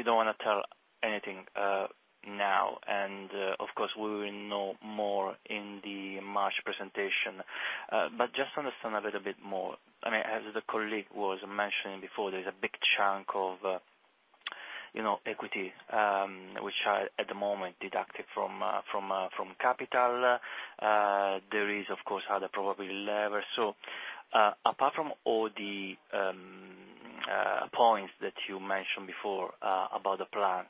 don't want to tell anything now, and of course, we will know more in the March presentation. Just to understand a little bit more. As the colleague was mentioning before, there's a big chunk of equity, which are at the moment deducted from capital. There is, of course, other probability lever. Apart from all the points that you mentioned before about the plan,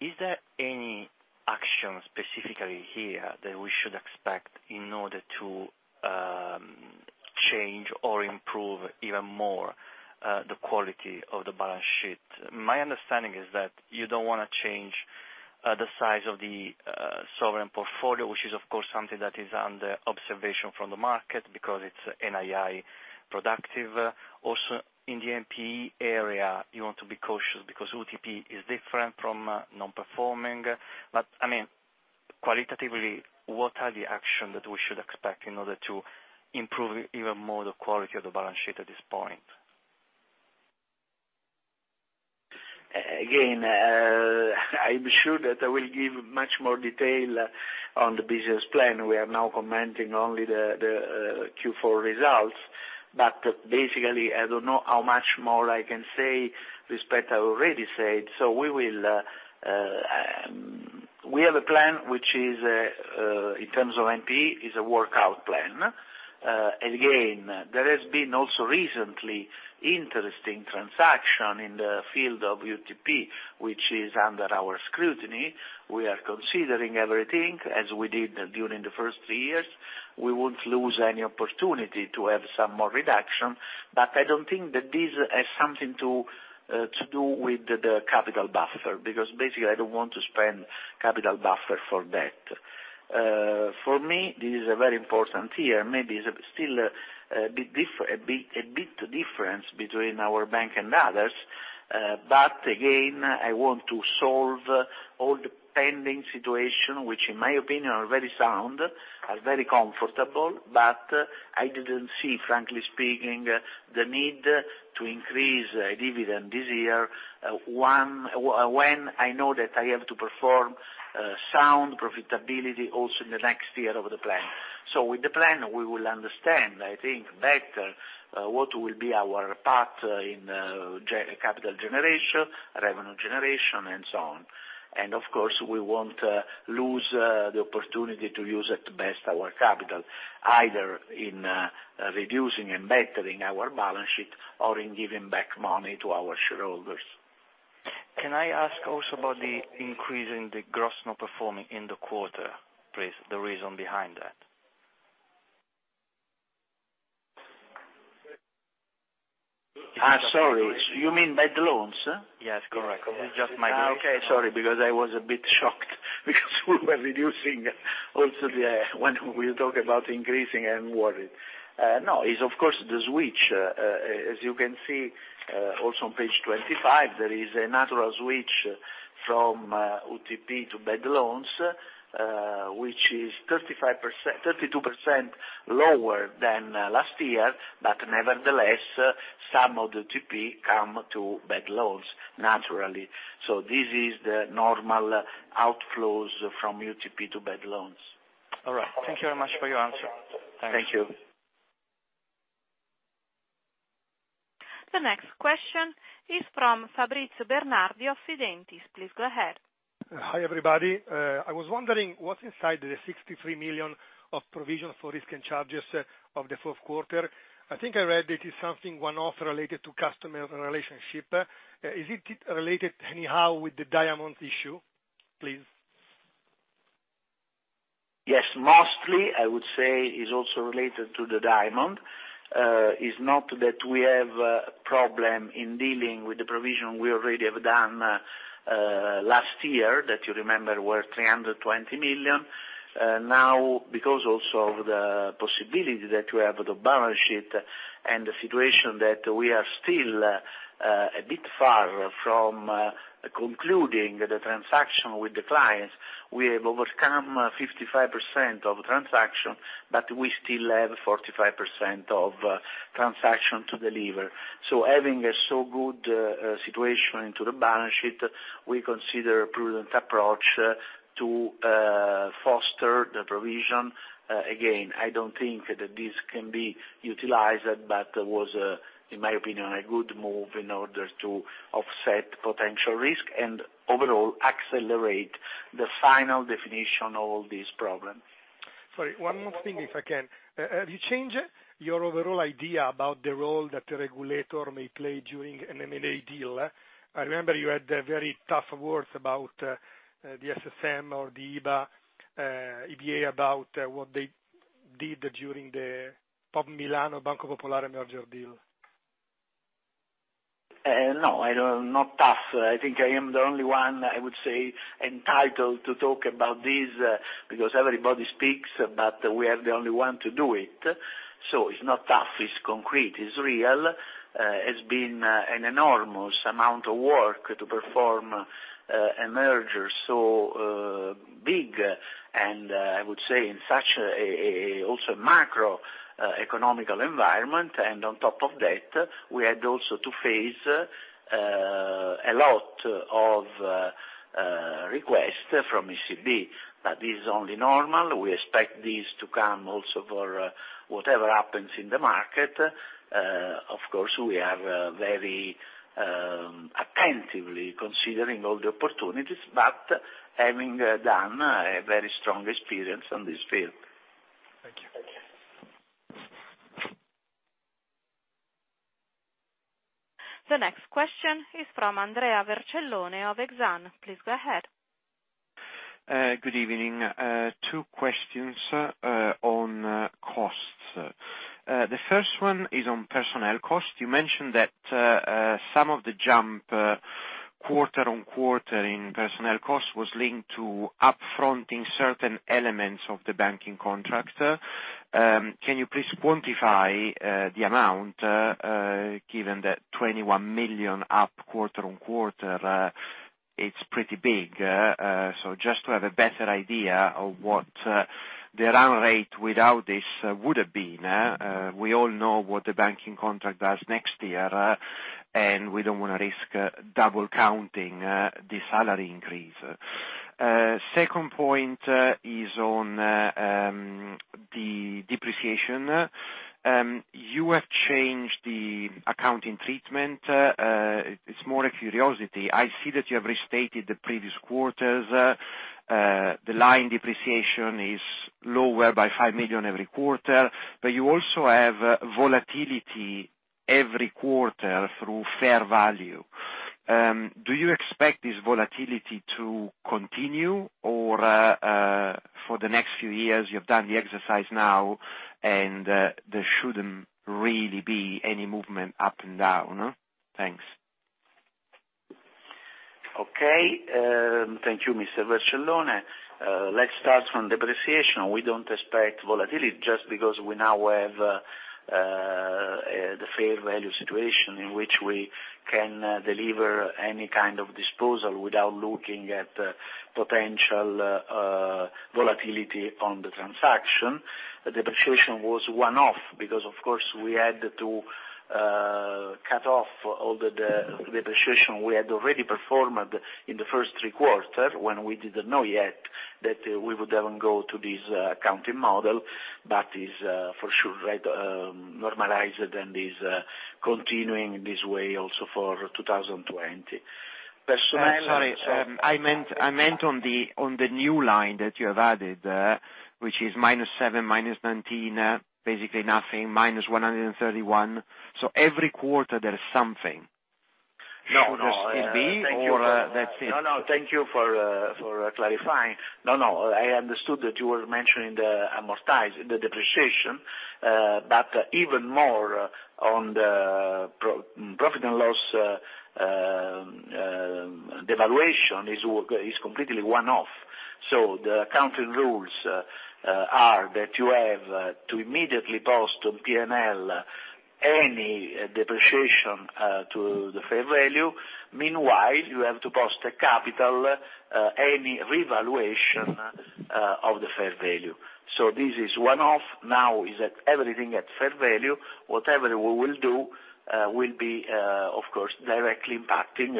is there any action specifically here that we should expect in order to change or improve even more the quality of the balance sheet? My understanding is that you don't want to change the size of the sovereign portfolio, which is of course something that is under observation from the market because it's NII productive. In the NPE area, you want to be cautious because UTP is different from non-performing. Qualitatively, what are the action that we should expect in order to improve even more the quality of the balance sheet at this point? Again, I'm sure that I will give much more detail on the business plan. We are now commenting only the Q4 results. Basically, I don't know how much more I can say respect I already said. We have a plan, which in terms of NPE, is a workout plan. Again, there has been also recently interesting transaction in the field of UTP, which is under our scrutiny. We are considering everything as we did during the first three years. We won't lose any opportunity to have some more reduction. I don't think that this has something to do with the capital buffer, because basically I don't want to spend capital buffer for that. For me, this is a very important year, maybe is still a bit difference between our bank and others. Again, I want to solve all the pending situation, which in my opinion, are very sound, are very comfortable, but I didn't see, frankly speaking, the need to increase dividend this year, when I know that I have to perform sound profitability also in the next year of the plan. With the plan, we will understand, I think, better what will be our path in capital generation, revenue generation, and so on. Of course, we won't lose the opportunity to use at best our capital, either in reducing and bettering our balance sheet or in giving back money to our shareholders. Can I ask also about the increase in the gross non-performing in the quarter, please? The reason behind that. Sorry. You mean bad loans? Yes, correct. Okay. Sorry, because I was a bit shocked. When we talk about increasing, I'm worried. It's of course the switch. As you can see also on page 25, there is a natural switch from UTP to bad loans, which is 32% lower than last year, but nevertheless, some of the UTP come to bad loans naturally. This is the normal outflows from UTP to bad loans. All right. Thank you very much for your answer. Thank you. The next question is from Fabrizio Bernardi of Fidentiis. Please go ahead. Hi, everybody. I was wondering what's inside the 63 million of provision for risk and charges of the fourth quarter. I think I read it is something one-off related to customer relationship. Is it related anyhow with the Diamond issue, please? Yes, mostly I would say is also related to the Diamond. Is not that we have a problem in dealing with the provision we already have done last year, that you remember were 320 million. Now, because also of the possibility that we have the balance sheet and the situation that we are still a bit far from concluding the transaction with the clients, we have overcome 55% of transaction, but we still have 45% of transaction to deliver. Having a so good situation into the balance sheet, we consider a prudent approach to foster the provision. Again, I don't think that this can be utilized, but was, in my opinion, a good move in order to offset potential risk and overall accelerate the final definition of this problem. Sorry, one more thing, if I can. Have you changed your overall idea about the role that the regulator may play during an M&A deal? I remember you had very tough words about the SSM or the EBA about what they did during the Pop Milano, Banco Popolare merger deal. No, not tough. I think I am the only one, I would say, entitled to talk about this, because everybody speaks, but we are the only one to do it. It's not tough, it's concrete, it's real. It's been an enormous amount of work to perform a merger so big, and I would say, in such a also macroeconomic environment. On top of that, we had also to face a lot of requests from ECB. This is only normal. We expect this to come also for whatever happens in the market. Of course, we are very attentively considering all the opportunities, but having done a very strong experience on this field. Thank you. The next question is from Andrea Vercellone of Exane. Please go ahead. Good evening. Two questions on costs. The first one is on personnel costs. You mentioned that some of the jump quarter-on-quarter in personnel costs was linked to up-fronting certain elements of the banking contract. Can you please quantify the amount, given that 21 million up quarter-on-quarter, it's pretty big. Just to have a better idea of what the run rate without this would have been. We all know what the banking contract does next year, and we don't want to risk double counting the salary increase. Second point is on the depreciation. You have changed the accounting treatment. It's more a curiosity. I see that you have restated the previous quarters. The line depreciation is lower by 5 million every quarter, but you also have volatility every quarter through fair value. Do you expect this volatility to continue, or for the next few years, you've done the exercise now, and there shouldn't really be any movement up and down? Thanks. Okay. Thank you, Mr. Vercellone. Let's start from depreciation. We don't expect volatility just because we now have the fair value situation in which we can deliver any kind of disposal without looking at potential volatility on the transaction. The depreciation was one-off because, of course, we had to cut off all the depreciation we had already performed in the first three quarters when we didn't know yet that we would even go to this accounting model. It is for sure normalized and is continuing this way also for 2020. Sorry. I meant on the new line that you have added, which is -7,-19, basically nothing,-131. Every quarter, there is something. No. It could be, or that's it? No. Thank you for clarifying. No, I understood that you were mentioning the amortization, the depreciation, but even more on the profit and loss, devaluation is completely one-off. The accounting rules are that you have to immediately post on P&L any depreciation to the fair value. Meanwhile, you have to post a capital, any revaluation of the fair value. This is one-off. Now is everything at fair value. Whatever we will do will be, of course, directly impacting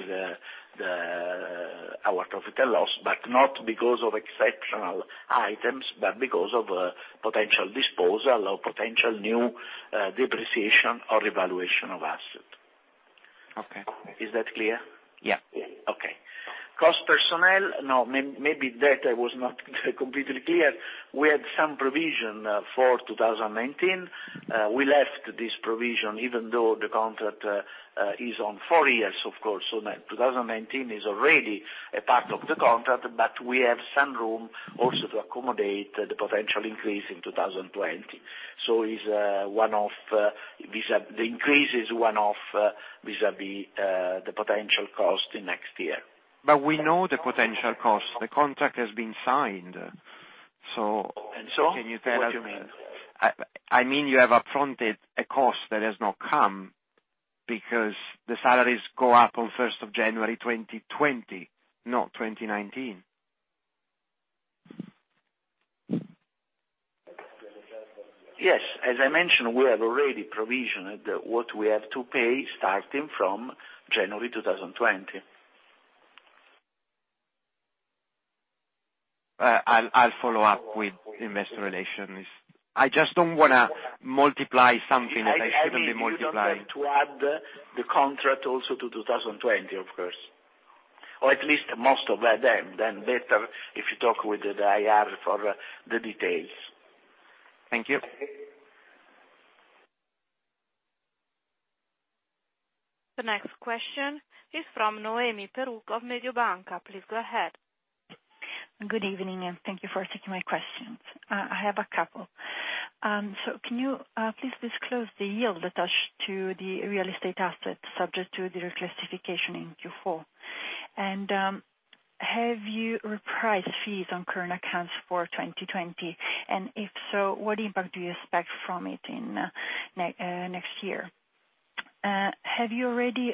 our profit and loss, but not because of exceptional items, but because of potential disposal or potential new depreciation or evaluation of asset. Okay. Is that clear? Yeah. Cost personnel. Maybe that I was not completely clear. We had some provision for 2019. We left this provision, even though the contract is on four years, of course, so 2019 is already a part of the contract, but we have some room also to accommodate the potential increase in 2020. The increase is one-off vis-à-vis the potential cost in next year. We know the potential cost. The contract has been signed. Can you tell us? What do you mean? I mean you have up-fronted a cost that has not come because the salaries go up on first of January 2020, not 2019. Yes. As I mentioned, we have already provisioned what we have to pay starting from January 2020. I'll follow up with investor relations. I just don't want to multiply something that I shouldn't be multiplying. You don't have to add the contract also to 2020, of course. At least most of them. Better if you talk with the IR for the details. Thank you. The next question is from Noemi Peruch of Mediobanca. Please go ahead. Good evening. Thank you for taking my questions. I have a couple. Can you, please disclose the yield attached to the real estate assets subject to the reclassification in Q4? Have you repriced fees on current accounts for 2020? If so, what impact do you expect from it next year? Have you already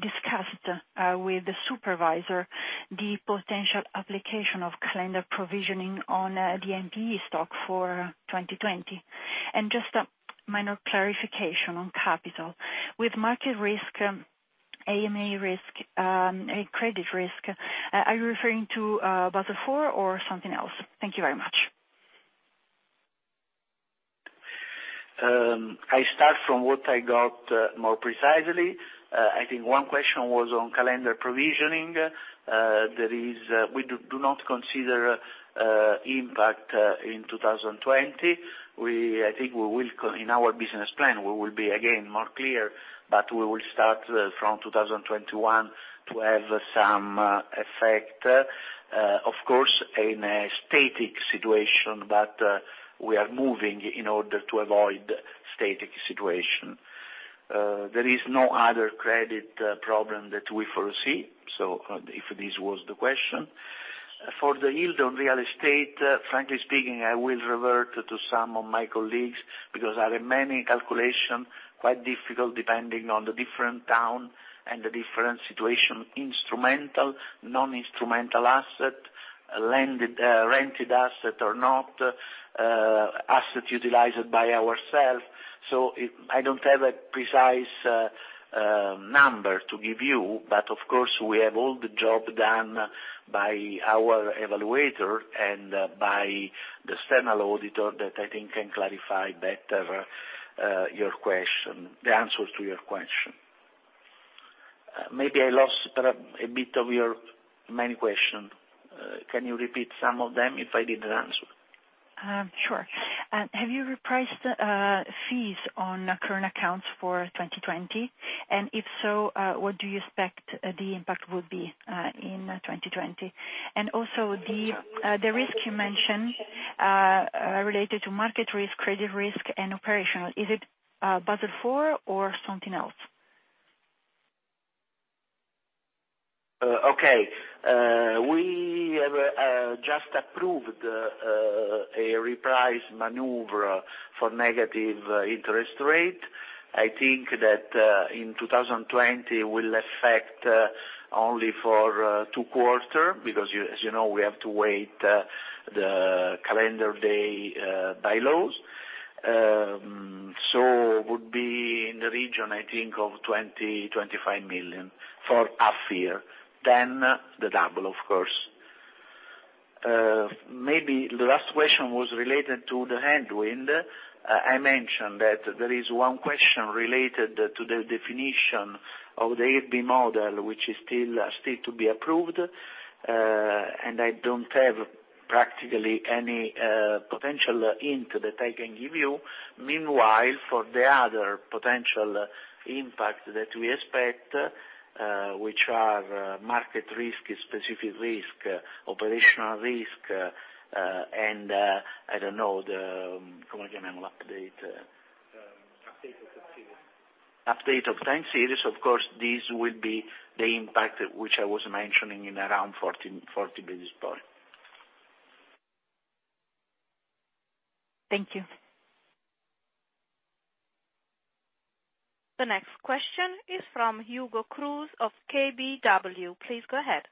discussed with the supervisor the potential application of calendar provisioning on the NPE stock for 2020? Just a minor clarification on capital. With market risk, AMA risk, and credit risk, are you referring to Basel IV or something else? Thank you very much. I start from what I got more precisely. I think one question was on calendar provisioning. We do not consider impact in 2020. I think in our business plan, we will be again more clear, but we will start from 2021 to have some effect. Of course, in a static situation, but we are moving in order to avoid static situation. There is no other credit problem that we foresee. If this was the question. For the yield on real estate, frankly speaking, I will revert to some of my colleagues because there are many calculations, quite difficult depending on the different town and the different situation, instrumental, non-instrumental assets, rented assets or not, assets utilized by ourselves. I don't have a precise number to give you, but of course we have all the job done by our evaluator and by the external auditor that I think can clarify better the answers to your question. Maybe I lost a bit of your many questions. Can you repeat some of them if I didn't answer? Sure. Have you repriced fees on current accounts for 2020? If so, what do you expect the impact will be in 2020? Also the risk you mentioned related to market risk, credit risk, and operational, is it Basel IV or something else? Okay. We have just approved a reprise maneuver for negative interest rate. I think that in 2020 will affect only for two quarter because, as you know, we have to wait the calendar day bylaws. Would be in the region, I think of 20 million, 25 million for half year, then the double, of course. Maybe the last question was related to the headwind. I mentioned that there is one question related to the definition of the IRB model, which is still to be approved. I don't have practically any potential hint that I can give you. Meanwhile, for the other potential impact that we expect, which are market risk, specific risk, operational risk, and I don't know the. Update. Update of time series. Of course, this will be the impact which I was mentioning in around 40 basis points. Thank you. The next question is from Hugo Cruz of KBW. Please go ahead.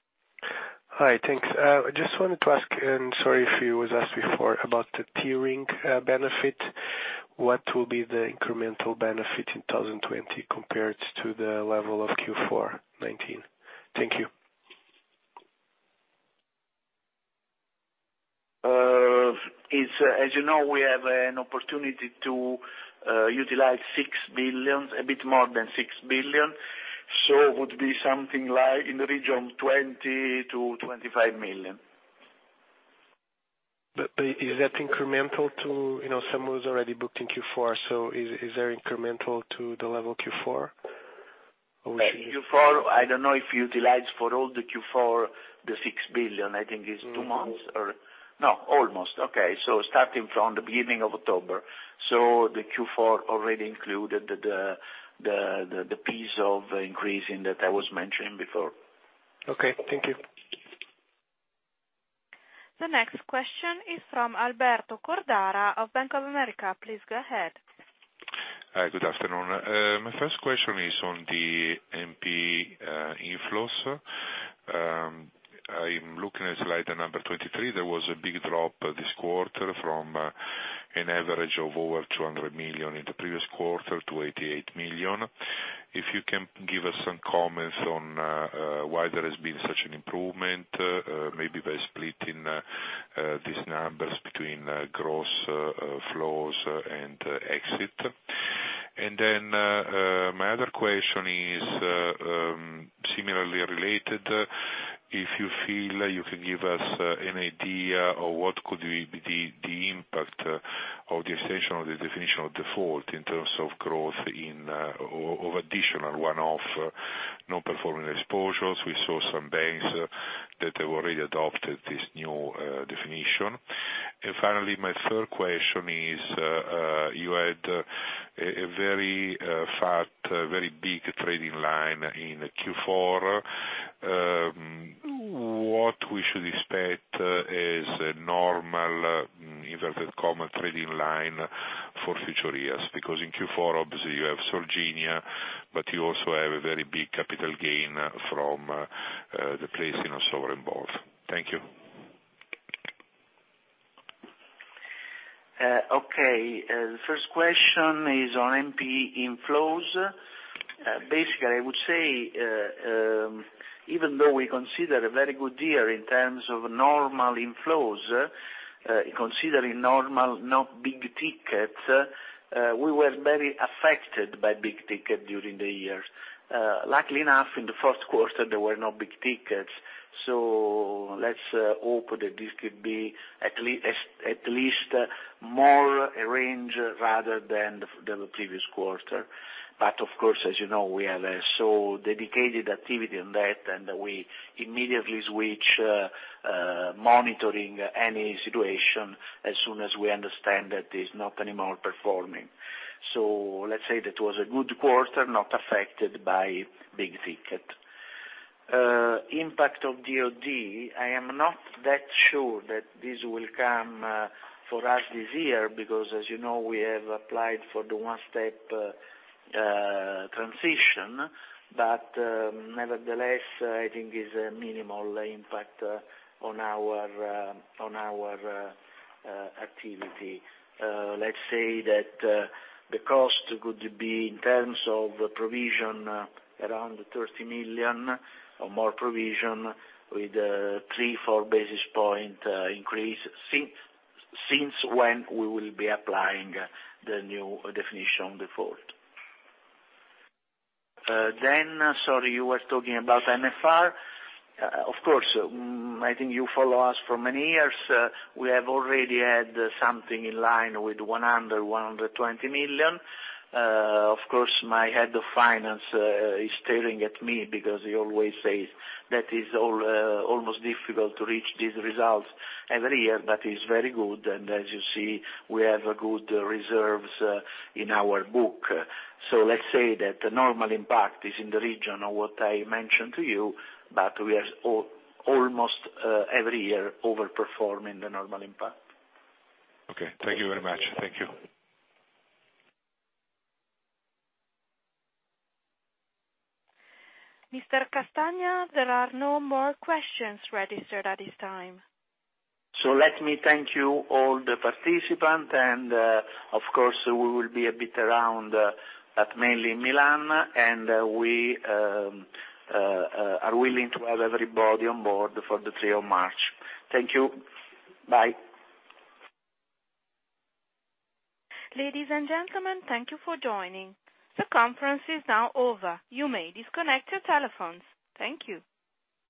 Hi. Thanks. I just wanted to ask, and sorry if it was asked before, about the tiering benefit. What will be the incremental benefit in 2020 compared to the level of Q4 2019? Thank you. As you know, we have an opportunity to utilize a bit more than 6 billion. Would be something in the region of 20 million-25 million. Is that incremental to someone who's already booked in Q4, so is that incremental to the level Q4? Q4, I don't know if utilized for all the Q4, the 6 billion. I think it's two months or no, almost. Okay. Starting from the beginning of October. The Q4 already included the piece of increasing that I was mentioning before. Okay, thank you. The next question is from Alberto Cordara of Bank of America. Please go ahead. Hi, good afternoon. My first question is on the NPE inflows. I'm looking at slide number 23. There was a big drop this quarter from an average of over 200 million in the previous quarter to 88 million. You can give us some comments on why there has been such an improvement, maybe by splitting these numbers between gross flows and exit. My other question is similarly related, if you feel you can give us an idea of what could be the impact of the extension of the Definition of Default in terms of growth of additional one-off non-performing exposures. We saw some banks that have already adopted this new definition. Finally, my third question is, you had a very fat, very big trading line in Q4. What we should expect is a normal, inverted comma, trading line for future years. In Q4, obviously you have Sorgenia, but you also have a very big capital gain from the placing of sovereign bonds. Thank you. Okay. The first question is on NPE inflows. I would say, even though we consider a very good year in terms of normal inflows, considering normal, not big ticket, we were very affected by big ticket during the year. Luckily enough, in the first quarter, there were no big tickets. Let's hope that this could be at least more a range rather than the previous quarter. Of course, as you know, we have a dedicated activity on that, and we immediately switch monitoring any situation as soon as we understand that it's not anymore performing. Let's say that was a good quarter, not affected by big ticket. Impact of DoD, I am not that sure that this will come for us this year because as you know, we have applied for the one-step transition, but nevertheless, I think it's a minimal impact on our activity. Let's say that the cost could be, in terms of provision, around 30 million or more provision with three, four basis points increase, since when we will be applying the new Definition of Default. Sorry, you were talking about NFR. I think you follow us for many years. We have already had something in line with 100 million, 120 million. My head of finance is staring at me because he always says that is almost difficult to reach these results every year, but it's very good, and as you see, we have good reserves in our book. Let's say that the normal impact is in the region of what I mentioned to you, but we are almost every year over-performing the normal impact. Okay. Thank you very much. Thank you. Mr. Castagna, there are no more questions registered at this time. Let me thank you, all the participants, and of course, we will be a bit around, but mainly in Milan, and we are willing to have everybody on board for the third of March. Thank you. Bye. Ladies and gentlemen, thank you for joining. The conference is now over. You may disconnect your telephones. Thank you.